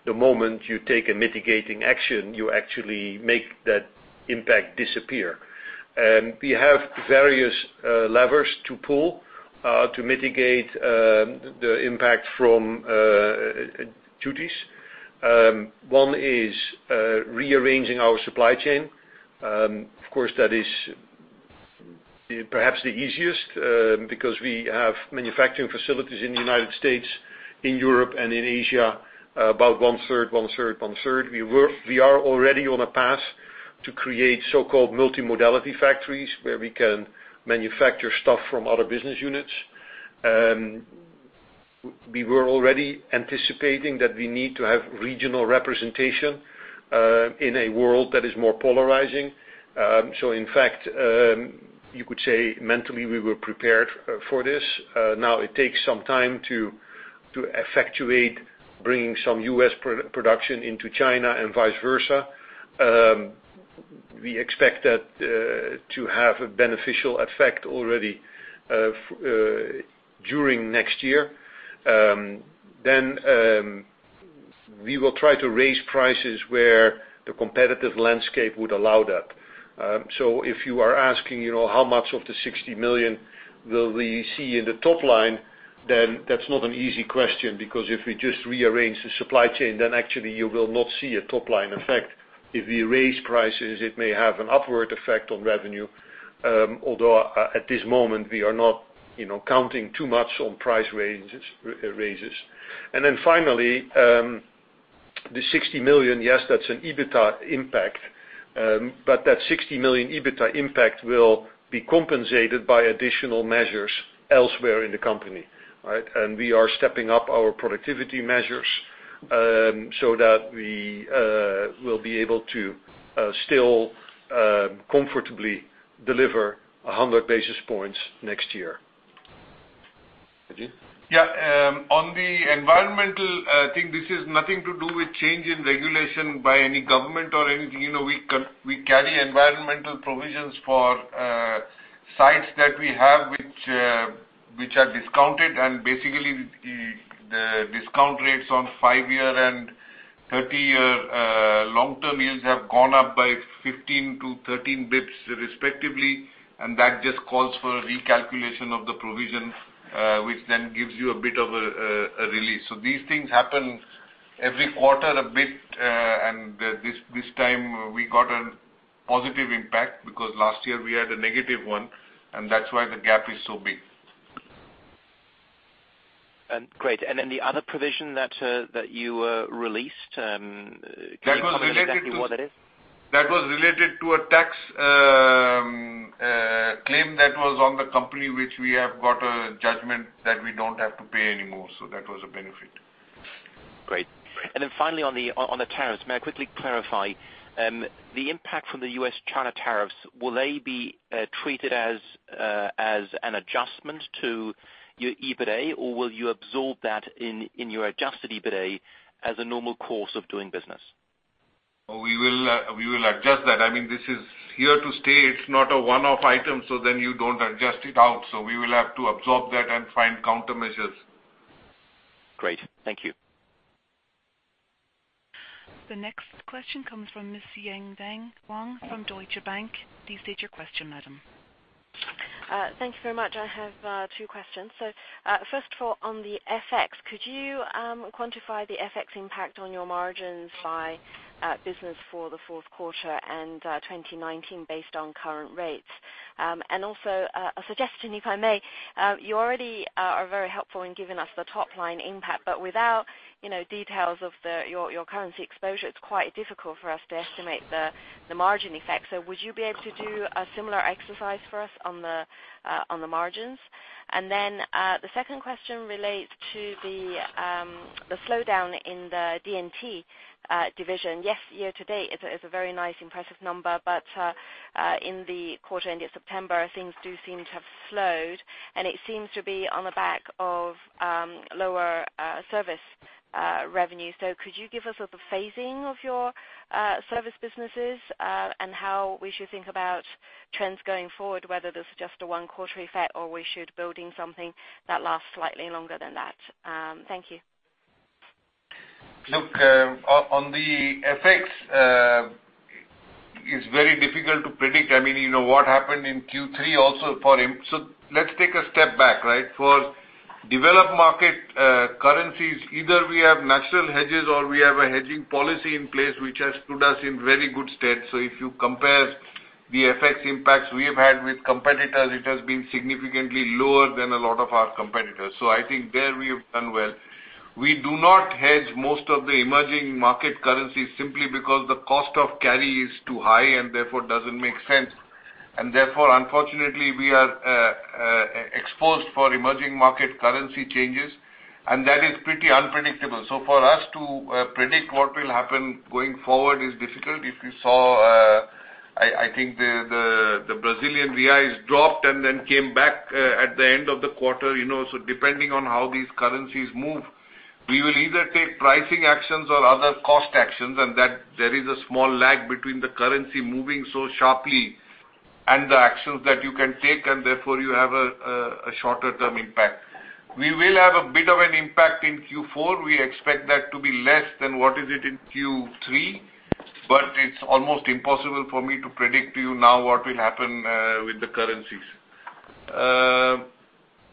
Speaker 3: the moment you take a mitigating action, you actually make that impact disappear. We have various levers to pull to mitigate the impact from duties. One is rearranging our supply chain. Of course, that is perhaps the easiest, because we have manufacturing facilities in the United States, in Europe, and in Asia, about one third. We are already on a path to create so-called multimodality factories where we can manufacture stuff from other business units. We were already anticipating that we need to have regional representation, in a world that is more polarizing. In fact, you could say mentally we were prepared for this. Now it takes some time to effectuate bringing some U.S. production into China and vice versa. We expect that to have a beneficial effect already during next year. We will try to raise prices where the competitive landscape would allow that. If you are asking, how much of the 60 million will we see in the top line, that's not an easy question. If we just rearrange the supply chain, actually you will not see a top-line effect. If we raise prices, it may have an upward effect on revenue, although at this moment, we are not counting too much on price raises. Finally, the 60 million, yes, that's an EBITA impact. That 60 million EBITA impact will be compensated by additional measures elsewhere in the company. Right? We are stepping up our productivity measures, we will be able to still comfortably deliver 100 basis points next year. Abhijit?
Speaker 4: Yeah. On the environmental thing, this is nothing to do with change in regulation by any government or anything. We carry environmental provisions for sites that we have, which are discounted. Basically, the discount rates on five-year and 30-year long-term yields have gone up by 15 to 13 basis points respectively. That just calls for a recalculation of the provision, which then gives you a bit of a release. These things happen every quarter a bit, and this time we got a positive impact because last year we had a negative one, and that's why the gap is so big.
Speaker 8: Great. Then the other provision that you released, can you comment exactly what that is?
Speaker 4: That was related to a tax claim that was on the company, which we have got a judgment that we don't have to pay anymore. That was a benefit.
Speaker 8: Great. Then finally on the tariffs, may I quickly clarify, the impact from the U.S. China tariffs, will they be treated as an adjustment to your EBITA, or will you absorb that in your adjusted EBITA as a normal course of doing business?
Speaker 4: We will adjust that. This is here to stay. It's not a one-off item, you don't adjust it out. We will have to absorb that and find countermeasures.
Speaker 8: Great. Thank you.
Speaker 1: The next question comes from Miss Yi-Dan Wang from Deutsche Bank. Please state your question, madam.
Speaker 9: Thank you very much. I have two questions. First of all, on the FX, could you quantify the FX impact on your margins by business for the fourth quarter and 2019 based on current rates? Also a suggestion, if I may. You already are very helpful in giving us the top-line impact, but without details of your currency exposure, it's quite difficult for us to estimate the margin effect. Would you be able to do a similar exercise for us on the margins? Then, the second question relates to the slowdown in the D&T division. Yes, year-to-date is a very nice, impressive number, but in the quarter end of September, things do seem to have slowed, and it seems to be on the back of lower service revenue. Could you give us the phasing of your service businesses and how we should think about trends going forward, whether this is just a one-quarter effect or we should build in something that lasts slightly longer than that? Thank you.
Speaker 4: Look, on the FX, it's very difficult to predict. What happened in Q3 also. Let's take a step back. For developed market currencies, either we have natural hedges or we have a hedging policy in place, which has put us in very good stead. If you compare the FX impacts we have had with competitors, it has been significantly lower than a lot of our competitors. I think there we have done well. We do not hedge most of the emerging market currencies simply because the cost of carry is too high, and therefore doesn't make sense. Therefore, unfortunately, we are exposed for emerging market currency changes, and that is pretty unpredictable. For us to predict what will happen going forward is difficult. If you saw, I think the Brazilian reais dropped and then came back at the end of the quarter. Depending on how these currencies move, we will either take pricing actions or other cost actions, and that there is a small lag between the currency moving so sharply and the actions that you can take. Therefore you have a shorter term impact. We will have a bit of an impact in Q4. We expect that to be less than what is it in Q3, it's almost impossible for me to predict to you now what will happen with the currencies.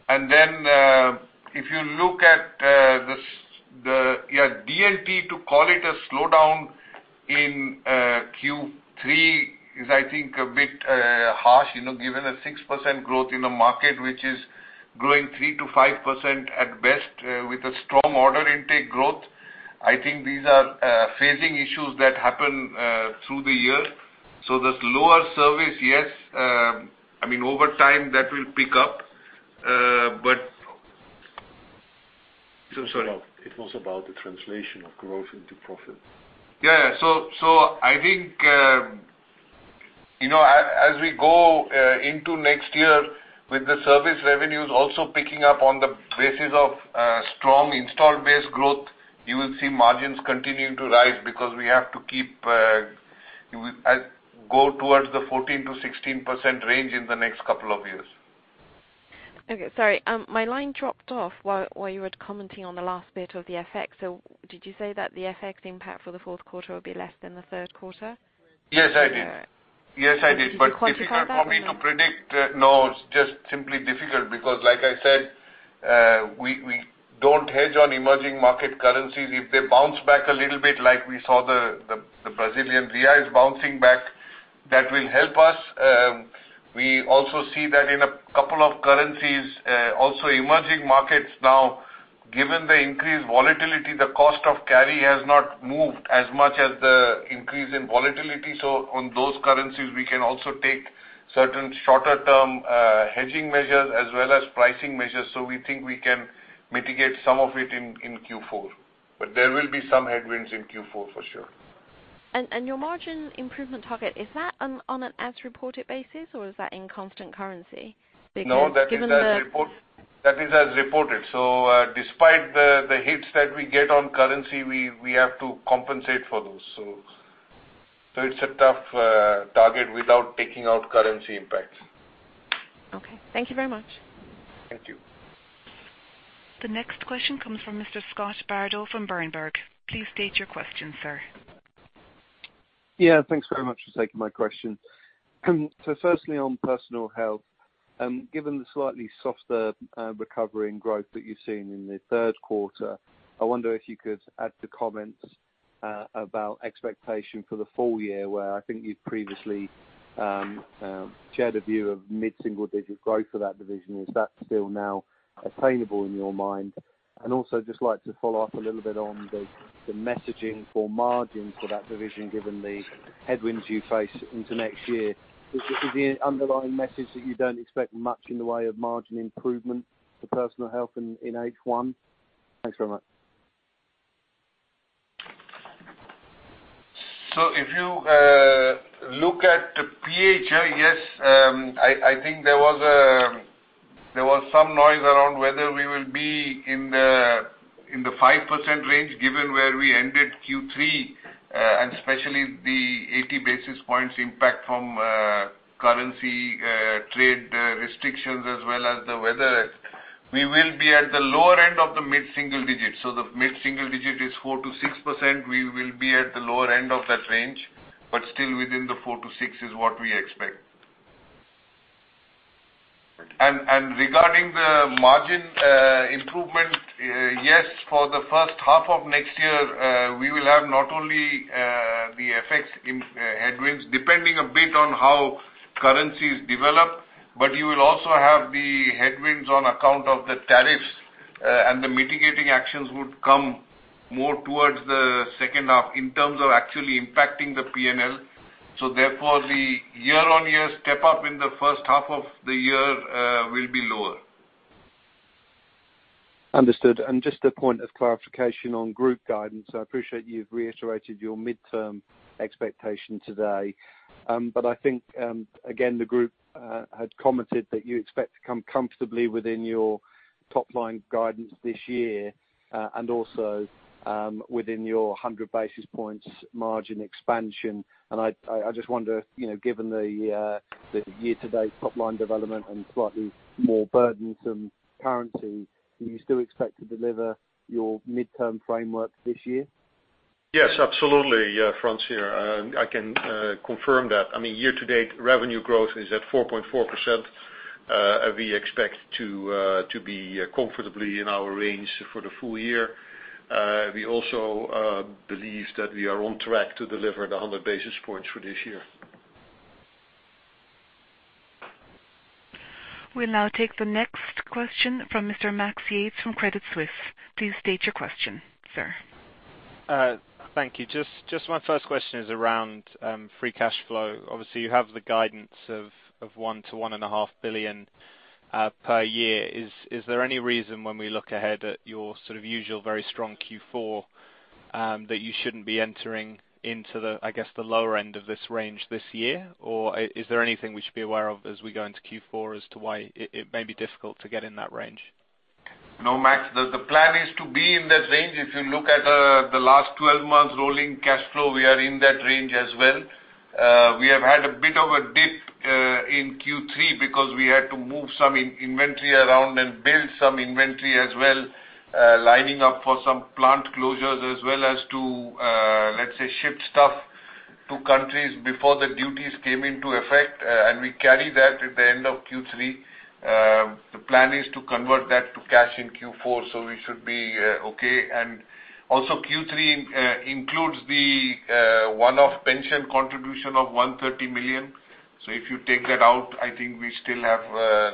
Speaker 4: Then, if you look at your D&T, to call it a slowdown in Q3 is, I think, a bit harsh, given a 6% growth in a market which is growing 3%-5% at best with a strong order intake growth. I think these are phasing issues that happen through the year. There's lower service, yes. Over time, that will pick up.
Speaker 3: It was about the translation of growth into profit.
Speaker 4: Yeah. I think, as we go into next year with the service revenues also picking up on the basis of strong installed base growth, you will see margins continuing to rise because we have to go towards the 14%-16% range in the next couple of years.
Speaker 9: Okay. Sorry. My line dropped off while you were commenting on the last bit of the FX. Did you say that the FX impact for the fourth quarter will be less than the third quarter?
Speaker 4: Yes, I did.
Speaker 9: Could you quantify that?
Speaker 4: It is not for me to predict. No, it is just simply difficult because like I said, we do not hedge on emerging market currencies. If they bounce back a little bit, like we saw the Brazilian reais bouncing back, that will help us. We also see that in a couple of currencies. Emerging markets now, given the increased volatility, the cost of carry has not moved as much as the increase in volatility. On those currencies, we can also take certain shorter-term hedging measures as well as pricing measures. We think we can mitigate some of it in Q4. There will be some headwinds in Q4 for sure.
Speaker 9: Your margin improvement target, is that on an as-reported basis, or is that in constant currency?
Speaker 4: No, that is as reported. Despite the hits that we get on currency, we have to compensate for those. It is a tough target without taking out currency impacts.
Speaker 9: Okay. Thank you very much.
Speaker 4: Thank you.
Speaker 1: The next question comes from Mr. Scott Bardo from Berenberg. Please state your question, sir.
Speaker 10: Yeah, thanks very much for taking my question. Firstly, on Personal Health, given the slightly softer recovery and growth that you've seen in the third quarter, I wonder if you could add to comments about expectation for the full year, where I think you've previously shared a view of mid-single digit growth for that division. Is that still now attainable in your mind? Also, just like to follow up a little bit on the messaging for margins for that division, given the headwinds you face into next year. Is the underlying message that you don't expect much in the way of margin improvement for Personal Health in H1? Thanks very much.
Speaker 4: If you look at PHA, yes, I think there was some noise around whether we will be in the 5% range given where we ended Q3, and especially the 80 basis points impact from currency trade restrictions as well as the weather. We will be at the lower end of the mid-single digits. The mid-single digit is 4%-6%. We will be at the lower end of that range, but still within the 4%-6% is what we expect. Regarding the margin improvement, yes, for the first half of next year, we will have not only the effects in headwinds, depending a bit on how currencies develop, but you will also have the headwinds on account of the tariffs, and the mitigating actions would come more towards the second half in terms of actually impacting the P&L. Therefore, the year-on-year step up in the first half of the year will be lower.
Speaker 10: Understood. Just a point of clarification on group guidance. I appreciate you've reiterated your midterm expectation today, but I think, again, the group had commented that you expect to come comfortably within your top-line guidance this year, also within your 100 basis points margin expansion. I just wonder, given the year-to-date top-line development and slightly more burdensome currency, do you still expect to deliver your midterm framework this year?
Speaker 3: Yes, absolutely. Frans here. I can confirm that. Year-to-date revenue growth is at 4.4%. We expect to be comfortably in our range for the full year. We also believe that we are on track to deliver the 100 basis points for this year.
Speaker 1: We'll now take the next question from Mr. Max Yates from Credit Suisse. Please state your question, sir.
Speaker 11: Thank you. Just my first question is around free cash flow. Obviously, you have the guidance of 1 billion-1.5 billion per year. Is there any reason when we look ahead at your usual very strong Q4, that you shouldn't be entering into the, I guess, the lower end of this range this year? Is there anything we should be aware of as we go into Q4 as to why it may be difficult to get in that range?
Speaker 4: No, Max. The plan is to be in that range. If you look at the last 12 months rolling cash flow, we are in that range as well. We have had a bit of a dip in Q3 because we had to move some inventory around and build some inventory as well, lining up for some plant closures, as well as to, let's say, ship stuff to countries before the duties came into effect, and we carry that at the end of Q3. The plan is to convert that to cash in Q4, so we should be okay. Q3 includes the one-off pension contribution of 130 million. If you take that out, I think we still have,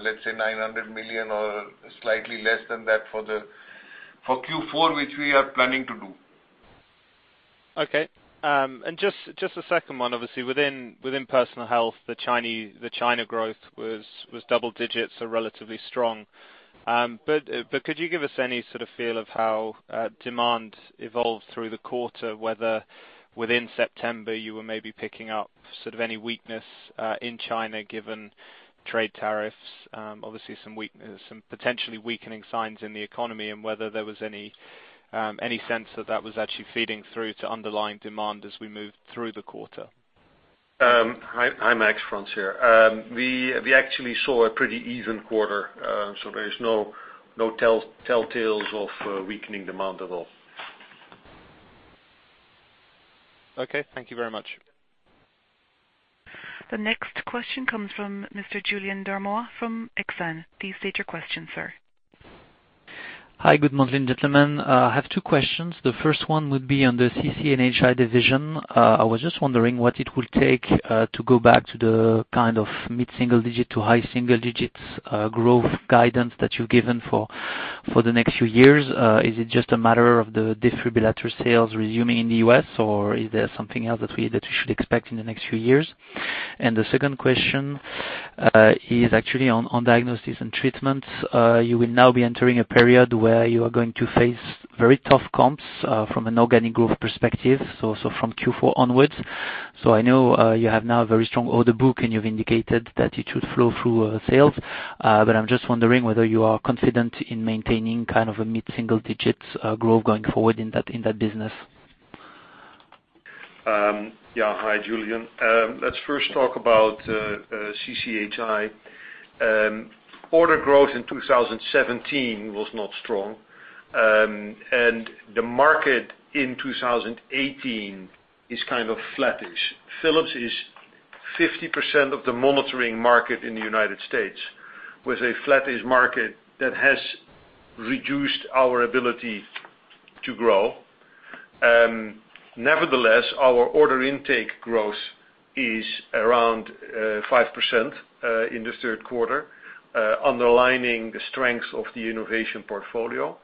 Speaker 4: let's say 900 million or slightly less than that for Q4, which we are planning to do.
Speaker 11: Okay. Just a second one. Obviously, within Personal Health, the China growth was double-digits, so relatively strong. Could you give us any sort of feel of how demand evolved through the quarter, whether within September you were maybe picking up sort of any weakness in China, given trade tariffs, obviously some potentially weakening signs in the economy, and whether there was any sense that that was actually feeding through to underlying demand as we moved through the quarter?
Speaker 3: Hi, Max. Frans here. We actually saw a pretty even quarter, so there is no telltales of weakening demand at all.
Speaker 11: Okay, thank you very much.
Speaker 1: The next question comes from Mr. Julien Dormois from Exane. Please state your question, sir.
Speaker 12: Hi, good morning, gentlemen. I have two questions. The first one would be on the CC&HI division. I was just wondering what it would take to go back to the kind of mid-single-digit to high single-digits growth guidance that you've given for the next few years. Is it just a matter of the defibrillator sales resuming in the U.S., or is there something else that we should expect in the next few years? The second question is actually on Diagnosis & Treatment. You will now be entering a period where you are going to face very tough comps from an organic growth perspective, from Q4 onwards. I know you have now a very strong order book, and you've indicated that it should flow through sales. I'm just wondering whether you are confident in maintaining kind of a mid-single-digits growth going forward in that business.
Speaker 3: Yeah. Hi, Julien. Let's first talk about CCHI. Order growth in 2017 was not strong, and the market in 2018 is kind of flattish. Philips is 50% of the monitoring market in the U.S., with a flattish market that has reduced our ability to grow. Nevertheless, our order intake growth is around 5% in the third quarter, underlining the strength of the innovation portfolio.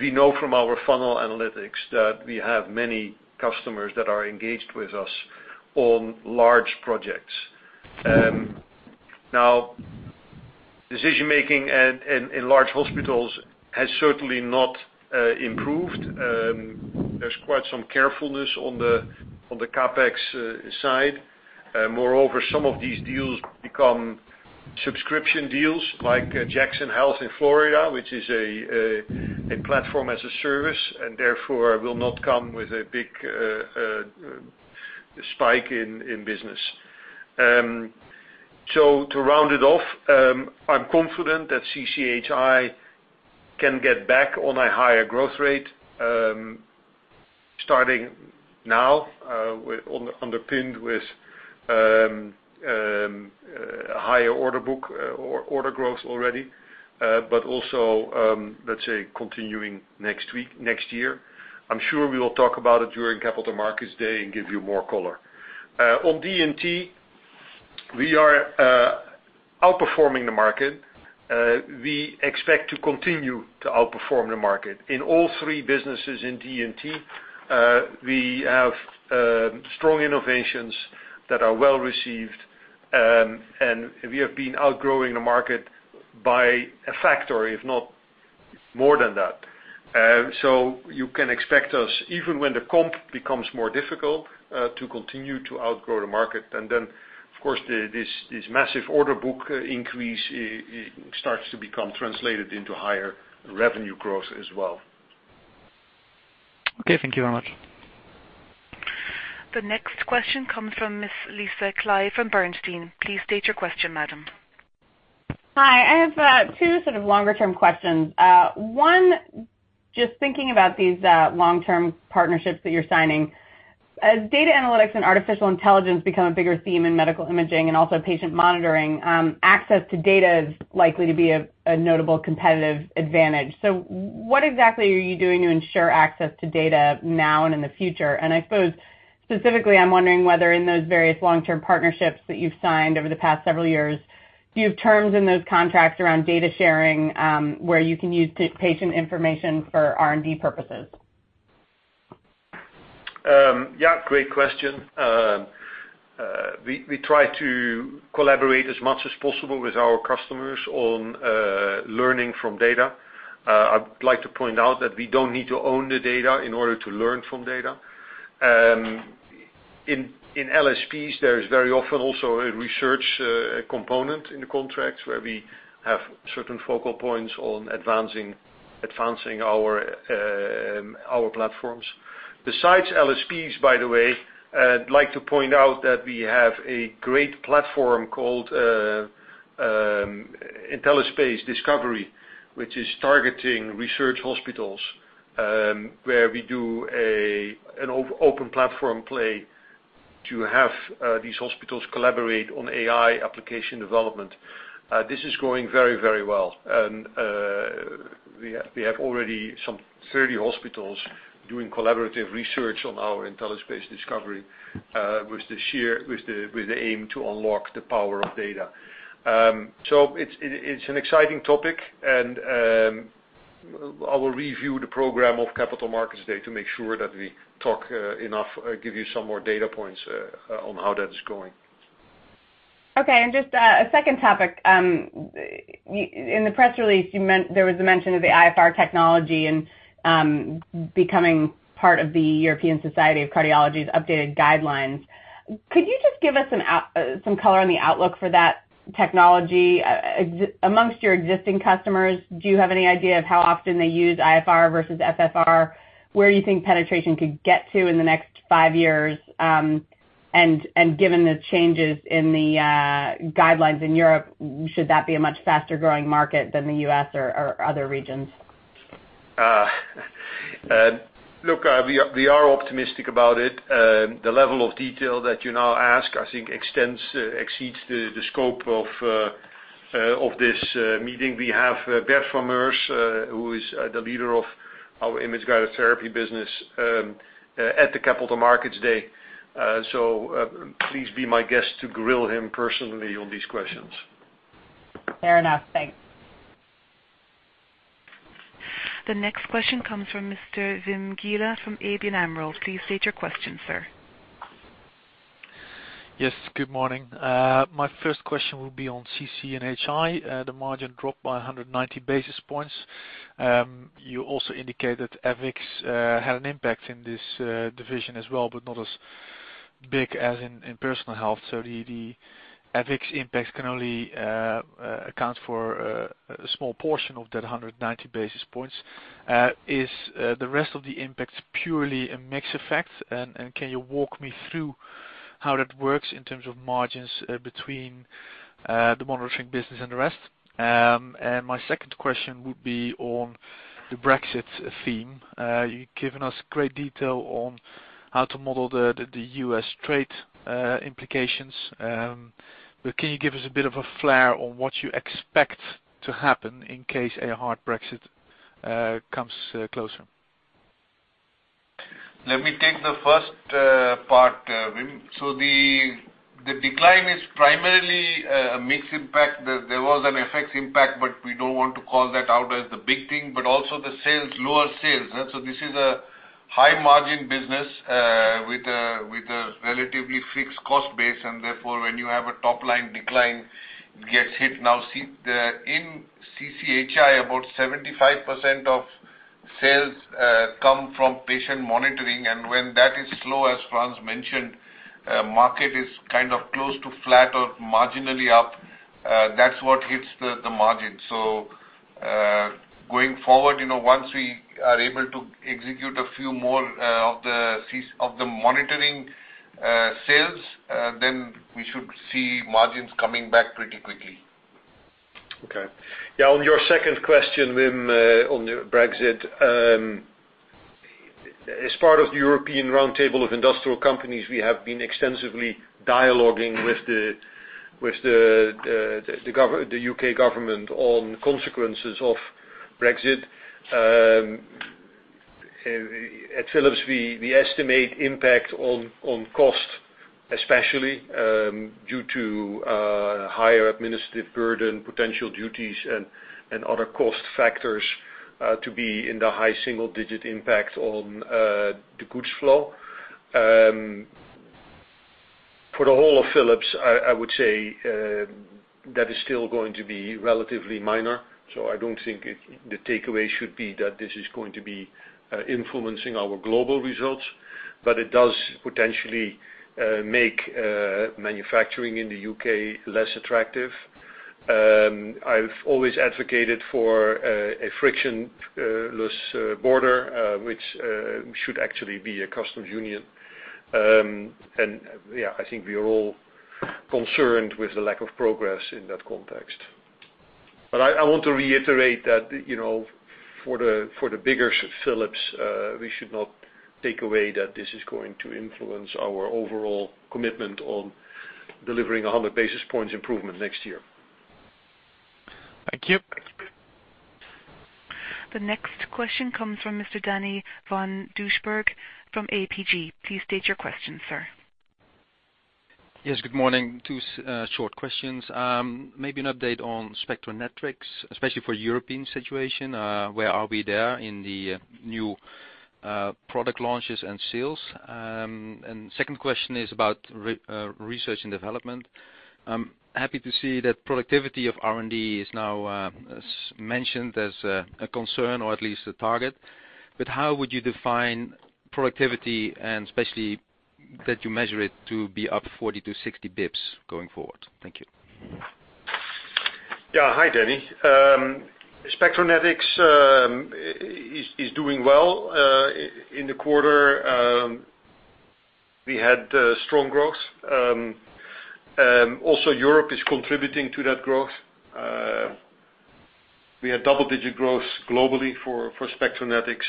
Speaker 3: We know from our funnel analytics that we have many customers that are engaged with us on large projects. Decision-making in large hospitals has certainly not improved. There's quite some carefulness on the CapEx side. Moreover, some of these deals become subscription deals like Jackson Health in Florida, which is a platform as a service, and therefore will not come with a big spike in business. To round it off, I'm confident that CCHI can get back on a higher growth rate. Starting now, we're underpinned with higher order book, or order growth already. Also, let's say, continuing next year. I'm sure we will talk about it during Capital Markets Day and give you more color. On D&T, we are outperforming the market. We expect to continue to outperform the market. In all three businesses in D&T, we have strong innovations that are well-received, and we have been outgrowing the market by a factor, if not more than that. You can expect us, even when the comp becomes more difficult, to continue to outgrow the market. Then, of course, this massive order book increase starts to become translated into higher revenue growth as well.
Speaker 12: Okay. Thank you very much.
Speaker 1: The next question comes from Miss Lisa Clive from Bernstein. Please state your question, madam.
Speaker 13: I have two sort of longer-term questions. One, just thinking about these long-term partnerships that you're signing. As data analytics and artificial intelligence become a bigger theme in medical imaging and also patient monitoring, access to data is likely to be a notable competitive advantage. What exactly are you doing to ensure access to data now and in the future? I suppose specifically, I'm wondering whether in those various long-term partnerships that you've signed over the past several years, do you have terms in those contracts around data sharing, where you can use patient information for R&D purposes?
Speaker 3: Yeah. Great question. We try to collaborate as much as possible with our customers on learning from data. I'd like to point out that we don't need to own the data in order to learn from data. In LSPs, there is very often also a research component in the contracts where we have certain focal points on advancing our platforms. Besides LSPs, by the way, I'd like to point out that we have a great platform called IntelliSpace Discovery, which is targeting research hospitals, where we do an open platform play to have these hospitals collaborate on AI application development. This is going very well. We have already some 30 hospitals doing collaborative research on our IntelliSpace Discovery, with the aim to unlock the power of data. It's an exciting topic, and I will review the program of Capital Markets Day to make sure that we talk enough, give you some more data points on how that is going.
Speaker 13: Okay. Just a second topic. In the press release, there was a mention of the iFR technology and becoming part of the European Society of Cardiology's updated guidelines. Could you just give us some color on the outlook for that technology? Amongst your existing customers, do you have any idea of how often they use iFR versus FFR? Where do you think penetration could get to in the next five years? Given the changes in the guidelines in Europe, should that be a much faster-growing market than the U.S. or other regions?
Speaker 3: Look, we are optimistic about it. The level of detail that you now ask, I think exceeds the scope of this meeting. We have Bert van Meurs, who is the leader of our Image-Guided Therapy business, at the Capital Markets Day. Please be my guest to grill him personally on these questions.
Speaker 13: Fair enough. Thanks.
Speaker 1: The next question comes from Mr. Wim Gille from ABN AMRO. Please state your question, sir.
Speaker 14: Yes. Good morning. My first question will be on CC&HI. The margin dropped by 190 basis points. You also indicated FX had an impact in this division as well, but not as big as in Personal Health. The FX impact can only account for a small portion of that 190 basis points. Is the rest of the impact purely a mix effect? Can you walk me through how that works in terms of margins between the monitoring business and the rest? My second question would be on the Brexit theme. You've given us great detail on how to model the U.S. trade implications. Can you give us a bit of a flare on what you expect to happen in case a hard Brexit comes closer?
Speaker 4: The decline is primarily a mix impact. There was an FX impact, we don't want to call that out as the big thing, also the lower sales. This is a high-margin business with a relatively fixed cost base, and therefore, when you have a top-line decline, it gets hit. Now, in CC&HI, about 75% of sales come from patient monitoring, and when that is slow, as Frans mentioned, market is kind of close to flat or marginally up. That's what hits the margin. Going forward, once we are able to execute a few more of the monitoring sales, then we should see margins coming back pretty quickly.
Speaker 3: Okay. On your second question, Wim, on Brexit. As part of the European Round Table of Industrialists, we have been extensively dialoguing with the U.K. government on consequences of Brexit. At Philips, we estimate impact on cost, especially due to higher administrative burden, potential duties, and other cost factors to be in the high single-digit impact on the goods flow. For the whole of Philips, I would say that is still going to be relatively minor. I don't think the takeaway should be that this is going to be influencing our global results. It does potentially make manufacturing in the U.K. less attractive. I've always advocated for a frictionless border, which should actually be a customs union. I think we are all concerned with the lack of progress in that context. I want to reiterate that for the bigger Philips, we should not take away that this is going to influence our overall commitment on delivering 100 basis points improvement next year.
Speaker 15: Thank you.
Speaker 1: The next question comes from Mr. Danny van Doesburg from APG. Please state your question, sir.
Speaker 15: Yes, good morning. Two short questions. Maybe an update on Spectranetics, especially for European situation. Where are we there in the new product launches and sales? Second question is about research and development. I'm happy to see that productivity of R&D is now mentioned as a concern or at least a target. How would you define productivity and especially that you measure it to be up 40 to 60 basis points going forward? Thank you.
Speaker 3: Hi, Daniel. Spectranetics is doing well. In the quarter, we had strong growth. Also, Europe is contributing to that growth. We had double-digit growth globally for Spectranetics.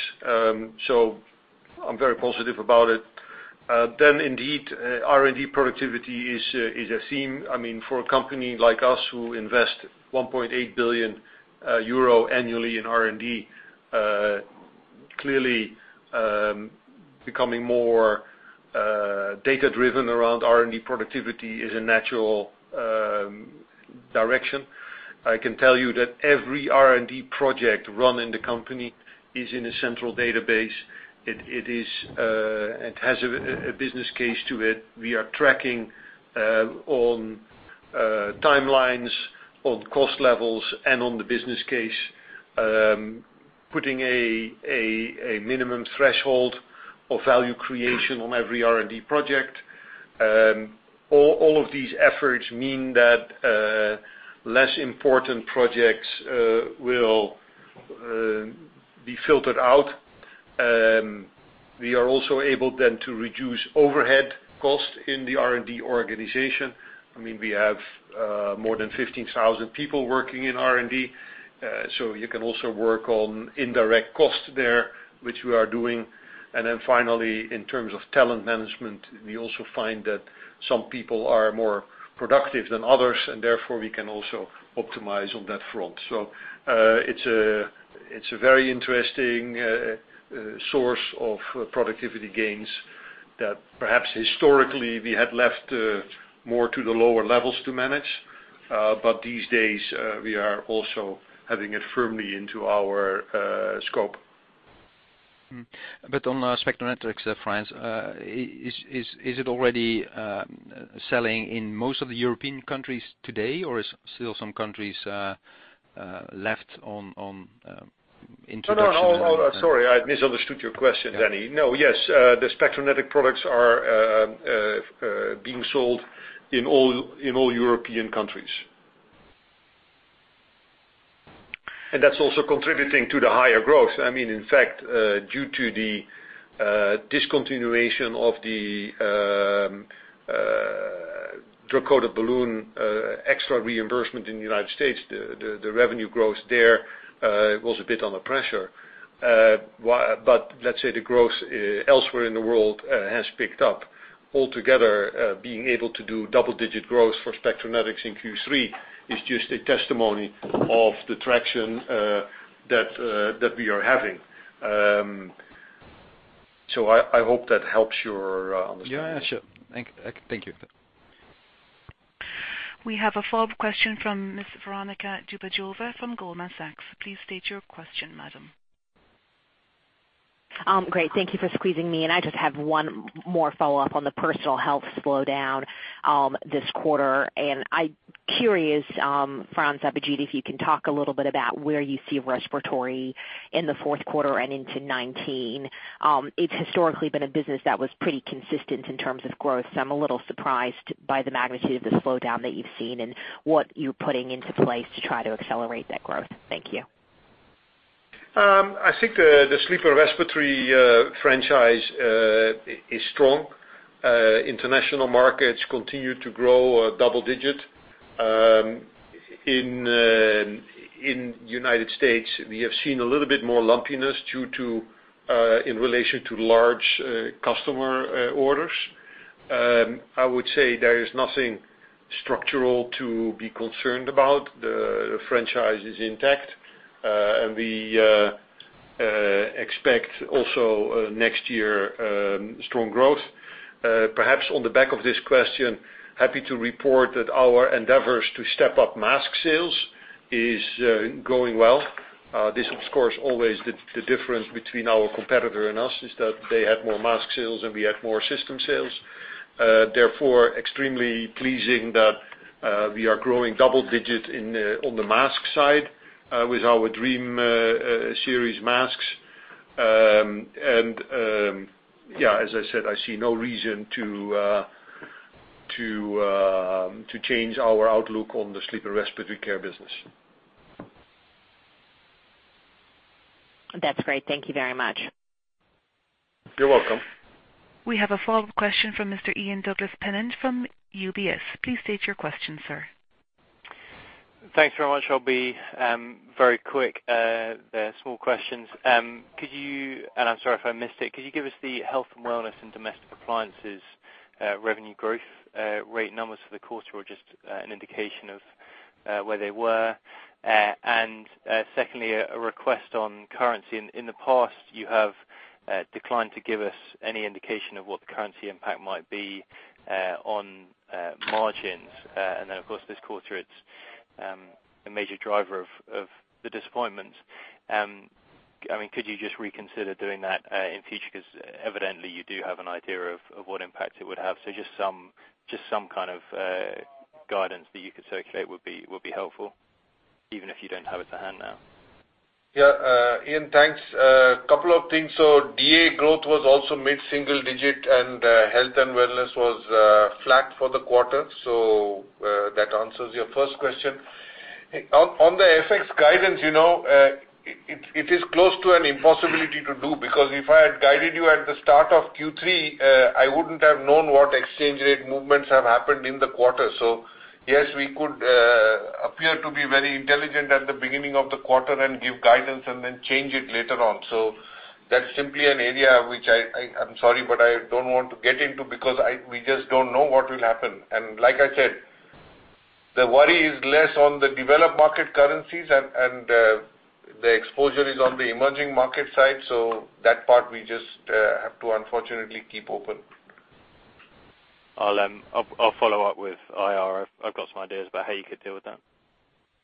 Speaker 3: I'm very positive about it. Indeed, R&D productivity is a theme. For a company like us, who invest 1.8 billion euro annually in R&D, clearly becoming more data-driven around R&D productivity is a natural direction. I can tell you that every R&D project run in the company is in a central database. It has a business case to it. We are tracking on timelines, on cost levels, and on the business case, putting a minimum threshold of value creation on every R&D project. All of these efforts mean that less important projects will be filtered out. We are also able then to reduce overhead costs in the R&D organization. We have more than 15,000 people working in R&D. You can also work on indirect costs there, which we are doing. Finally, in terms of talent management, we also find that some people are more productive than others, and therefore we can also optimize on that front. It's a very interesting source of productivity gains that perhaps historically we had left more to the lower levels to manage. These days, we are also having it firmly into our scope.
Speaker 15: On Spectranetics, Frans, is it already selling in most of the European countries today, or is still some countries left on introduction?
Speaker 3: No. Sorry, I misunderstood your question, Danny. No, yes, the Spectranetics products are being sold in all European countries. That's also contributing to the higher growth. In fact, due to the discontinuation of the drug-coated balloon extra reimbursement in the United States, the revenue growth there was a bit under pressure. Let's say the growth elsewhere in the world has picked up. Altogether, being able to do double-digit growth for Spectranetics in Q3 is just a testimony of the traction that we are having. I hope that helps your understanding.
Speaker 15: Yeah, sure. Thank you.
Speaker 1: We have a follow-up question from Ms. Veronika Dubajova from Goldman Sachs. Please state your question, madam.
Speaker 6: Great. Thank you for squeezing me in. I just have one more follow-up on the Personal Health slowdown this quarter. I'm curious, Frans van Houten, if you can talk a little bit about where you see respiratory in the fourth quarter and into 2019. It's historically been a business that was pretty consistent in terms of growth, so I'm a little surprised by the magnitude of the slowdown that you've seen and what you're putting into place to try to accelerate that growth. Thank you.
Speaker 3: I think the sleep and respiratory franchise is strong. International markets continue to grow double-digit. In United States, we have seen a little bit more lumpiness in relation to large customer orders. I would say there is nothing structural to be concerned about. The franchise is intact, and we expect also next year, strong growth. Perhaps on the back of this question, happy to report that our endeavors to step up mask sales is going well. This, of course, always the difference between our competitor and us is that they have more mask sales, and we have more system sales. Extremely pleasing that we are growing double-digit on the mask side with our DreamWear series masks. As I said, I see no reason to change our outlook on the sleep and respiratory care business.
Speaker 6: That's great. Thank you very much.
Speaker 3: You're welcome.
Speaker 1: We have a follow-up question from Mr. Ian Douglas-Pennant from UBS. Please state your question, sir.
Speaker 7: Thanks very much. I'll be very quick. They're small questions. Could you, and I'm sorry if I missed it, could you give us the health and wellness and domestic appliances revenue growth rate numbers for the quarter, or just an indication of where they were? Secondly, a request on currency. In the past, you have declined to give us any indication of what the currency impact might be on margins. Of course, this quarter, it's a major driver of the disappointment. Could you just reconsider doing that in future? Evidently you do have an idea of what impact it would have. Just some kind of guidance that you could circulate would be helpful, even if you don't have it to hand now.
Speaker 4: Ian, thanks. A couple of things. DA growth was also mid-single digit, and health and wellness was flat for the quarter. That answers your first question. On the FX guidance, it is close to an impossibility to do, if I had guided you at the start of Q3, I wouldn't have known what exchange rate movements have happened in the quarter. Yes, we could appear to be very intelligent at the beginning of the quarter and give guidance and then change it later on. That's simply an area which I am sorry, but I don't want to get into, because we just don't know what will happen. Like I said, the worry is less on the developed market currencies, and the exposure is on the emerging market side. That part we just have to unfortunately keep open.
Speaker 7: I'll follow up with IR. I've got some ideas about how you could deal with that.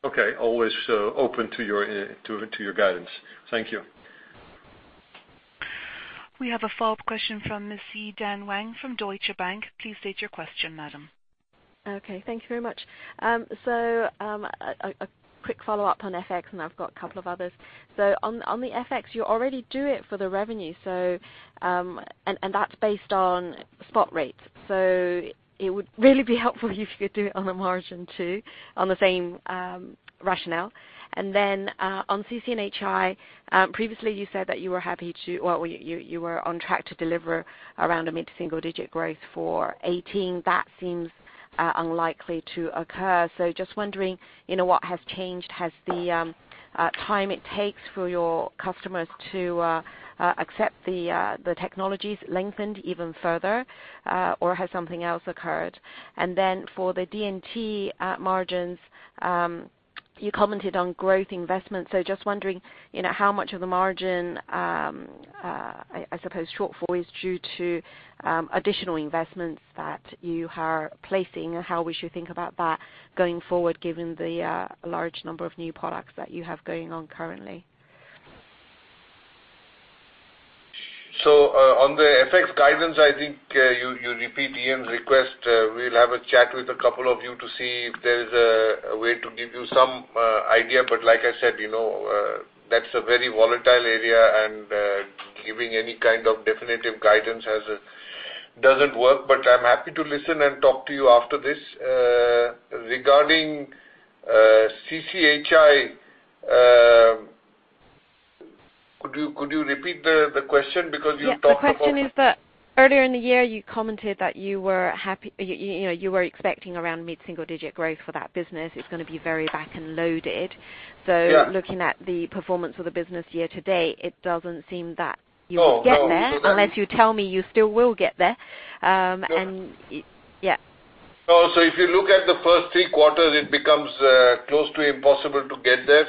Speaker 4: Okay. Always open to your guidance. Thank you.
Speaker 1: We have a follow-up question from Ms. Yi-Dan Wang from Deutsche Bank. Please state your question, madam.
Speaker 9: Okay. Thank you very much. A quick follow-up on FX, I've got a couple of others. On the FX, you already do it for the revenue. That's based on spot rates. It would really be helpful if you could do it on the margin too, on the same rationale. On CC&HI, previously you said that you were on track to deliver around a mid-single digit growth for 2018. That seems unlikely to occur. Just wondering, what has changed? Has the time it takes for your customers to accept the technologies lengthened even further? Has something else occurred? For the D&T margins, you commented on growth investment. Just wondering, how much of the margin, I suppose, shortfall is due to additional investments that you are placing, or how we should think about that going forward given the large number of new products that you have going on currently.
Speaker 4: On the FX guidance, I think you repeat Ian's request. We'll have a chat with a couple of you to see if there's a way to give you some idea. Like I said, that's a very volatile area, and giving any kind of definitive guidance doesn't work. I'm happy to listen and talk to you after this. Regarding CC&HI, could you repeat the question? Because you talked about.
Speaker 9: The question is that earlier in the year, you commented that you were expecting around mid-single digit growth for that business. It's going to be very back-end loaded.
Speaker 4: Yeah.
Speaker 9: Looking at the performance of the business year to date, it doesn't seem that you will get there.
Speaker 4: No.
Speaker 9: Unless you tell me you still will get there.
Speaker 4: No.
Speaker 9: Yeah.
Speaker 4: No. If you look at the first three quarters, it becomes close to impossible to get there.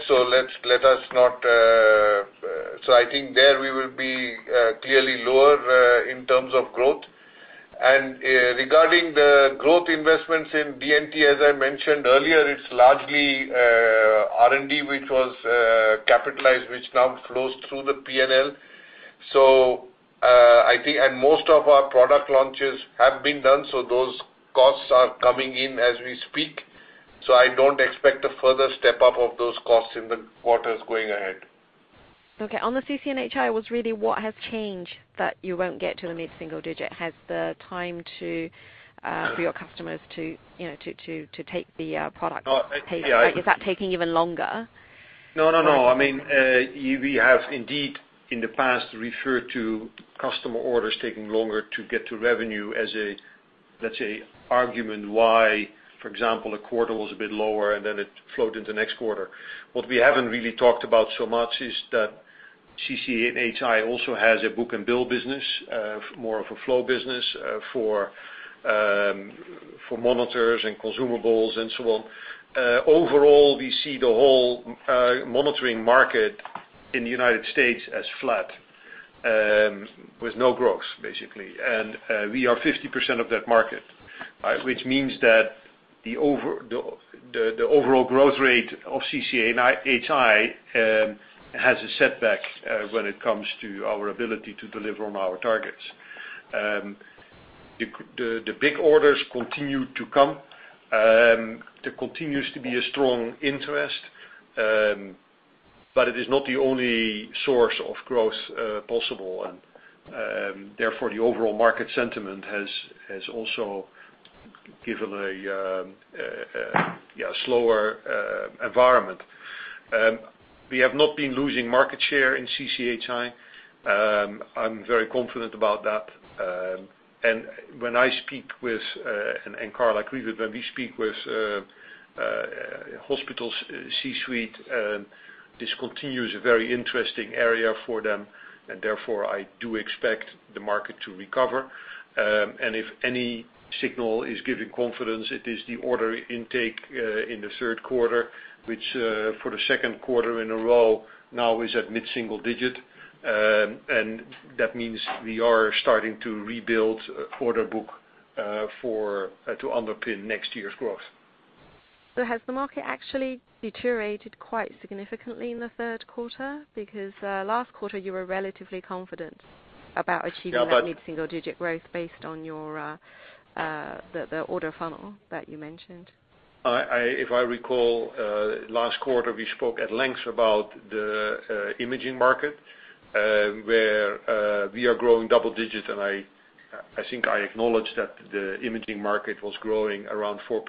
Speaker 4: I think there we will be clearly lower in terms of growth. Regarding the growth investments in D&T, as I mentioned earlier, it's largely R&D, which was capitalized, which now flows through the P&L. Most of our product launches have been done, so those costs are coming in as we speak. I don't expect a further step-up of those costs in the quarters going ahead.
Speaker 9: Okay. On the CC&HI, it was really what has changed that you won't get to a mid-single digit? Has the time for your customers to take the products? Is that taking even longer?
Speaker 3: No. We have indeed, in the past, referred to customer orders taking longer to get to revenue as, let's say, argument why, for example, a quarter was a bit lower and then it flowed into next quarter. What we haven't really talked about so much is that CC&HI also has a book and bill business, more of a flow business, for monitors and consumables and so on. Overall, we see the whole monitoring market in the U.S. as flat, with no growth, basically. We are 50% of that market, which means that the overall growth rate of CC&HI has a setback when it comes to our ability to deliver on our targets. The big orders continue to come. There continues to be a strong interest, but it is not the only source of growth possible. Therefore, the overall market sentiment has also given a slower environment. We have not been losing market share in CC&HI. I'm very confident about that. When I speak with, and Carla agrees with, when we speak with hospitals C-suite, this continues a very interesting area for them, therefore I do expect the market to recover. If any signal is giving confidence, it is the order intake in the third quarter, which for the second quarter in a row now is at mid-single digit. That means we are starting to rebuild order book to underpin next year's growth.
Speaker 9: Has the market actually deteriorated quite significantly in the third quarter? Because last quarter you were relatively confident about achieving that mid-single digit growth based on the order funnel that you mentioned.
Speaker 3: If I recall, last quarter we spoke at length about the imaging market, where we are growing double digit. I think I acknowledged that the imaging market was growing around 4%.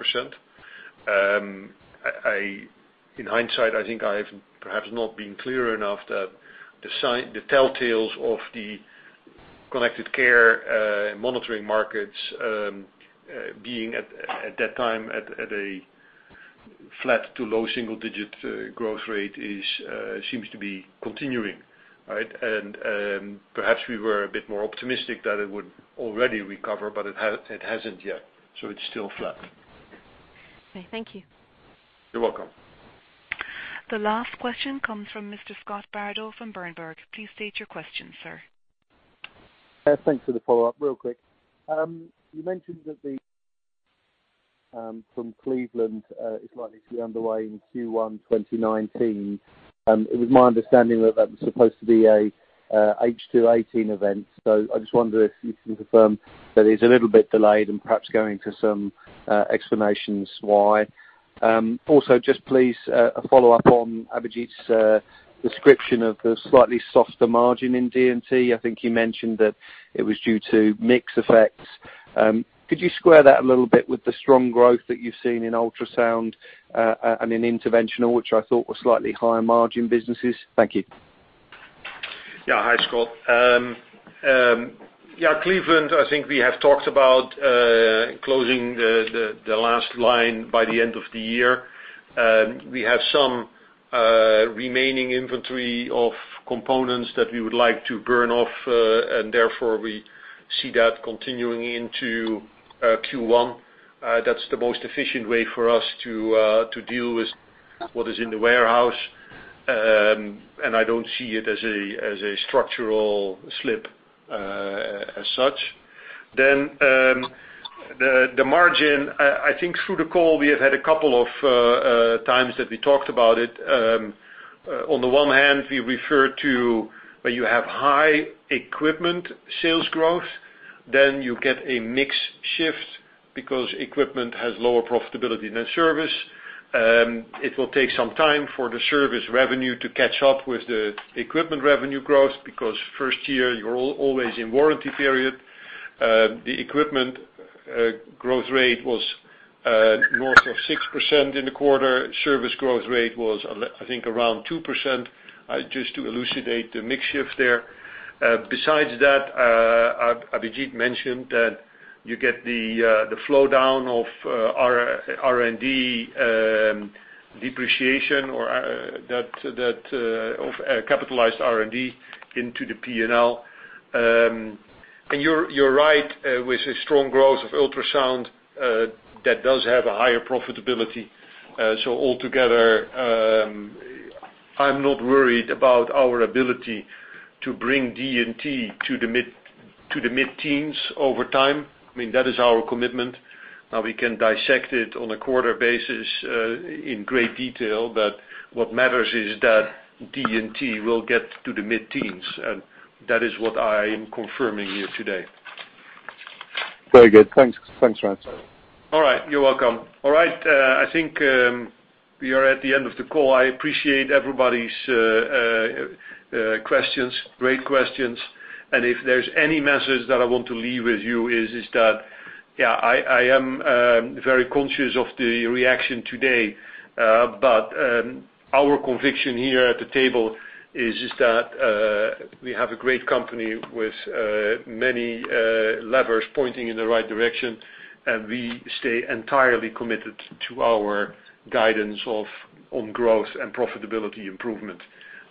Speaker 3: In hindsight, I think I have perhaps not been clear enough that the telltales of the Connected Care monitoring markets being, at that time, at a flat to low single digit growth rate seems to be continuing. Perhaps we were a bit more optimistic that it would already recover, but it hasn't yet. It's still flat.
Speaker 9: Okay, thank you.
Speaker 3: You're welcome.
Speaker 1: The last question comes from Mr. Scott Bardo from Berenberg. Please state your question, sir.
Speaker 10: Thanks for the follow-up. Real quick. You mentioned that the from Cleveland is likely to be underway in Q1 2019. It was my understanding that that was supposed to be a H2 2018 event. I just wonder if you can confirm that it's a little bit delayed and perhaps go into some explanations why. Also, just please, a follow-up on Abhijit's description of the slightly softer margin in D&T. I think he mentioned that it was due to mix effects. Could you square that a little bit with the strong growth that you've seen in ultrasound and in interventional, which I thought were slightly higher margin businesses? Thank you.
Speaker 3: Hi, Scott. Cleveland, I think we have talked about closing the last line by the end of the year. We have some remaining inventory of components that we would like to burn off, therefore we see that continuing into Q1. That's the most efficient way for us to deal with what is in the warehouse, I don't see it as a structural slip as such. The margin, I think through the call, we have had a couple of times that we talked about it. On the one hand, we refer to where you have high equipment sales growth, then you get a mix shift because equipment has lower profitability than service. It will take some time for the service revenue to catch up with the equipment revenue growth, because first year you're always in warranty period. The equipment growth rate was north of 6% in the quarter. Service growth rate was, I think, around 2%. Just to elucidate the mix shift there. Besides that, Abhijit mentioned that you get the flow down of R&D depreciation, or capitalized R&D into the P&L. You're right, with the strong growth of ultrasound, that does have a higher profitability. Altogether, I'm not worried about our ability to bring D&T to the mid-teens over time. That is our commitment. We can dissect it on a quarter basis in great detail, what matters is that D&T will get to the mid-teens, that is what I am confirming here today.
Speaker 10: Very good. Thanks, Frans.
Speaker 3: All right. You're welcome. All right. I think we are at the end of the call. I appreciate everybody's questions. Great questions. If there's any message that I want to leave with you is that, yeah, I am very conscious of the reaction today. Our conviction here at the table is just that we have a great company with many levers pointing in the right direction, and we stay entirely committed to our guidance on growth and profitability improvement.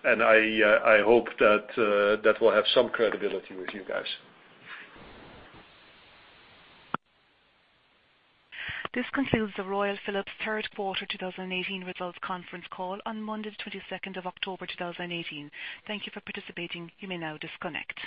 Speaker 3: I hope that will have some credibility with you guys.
Speaker 1: This concludes the Royal Philips third quarter 2018 results conference call on Monday the 22nd of October 2018. Thank you for participating. You may now disconnect.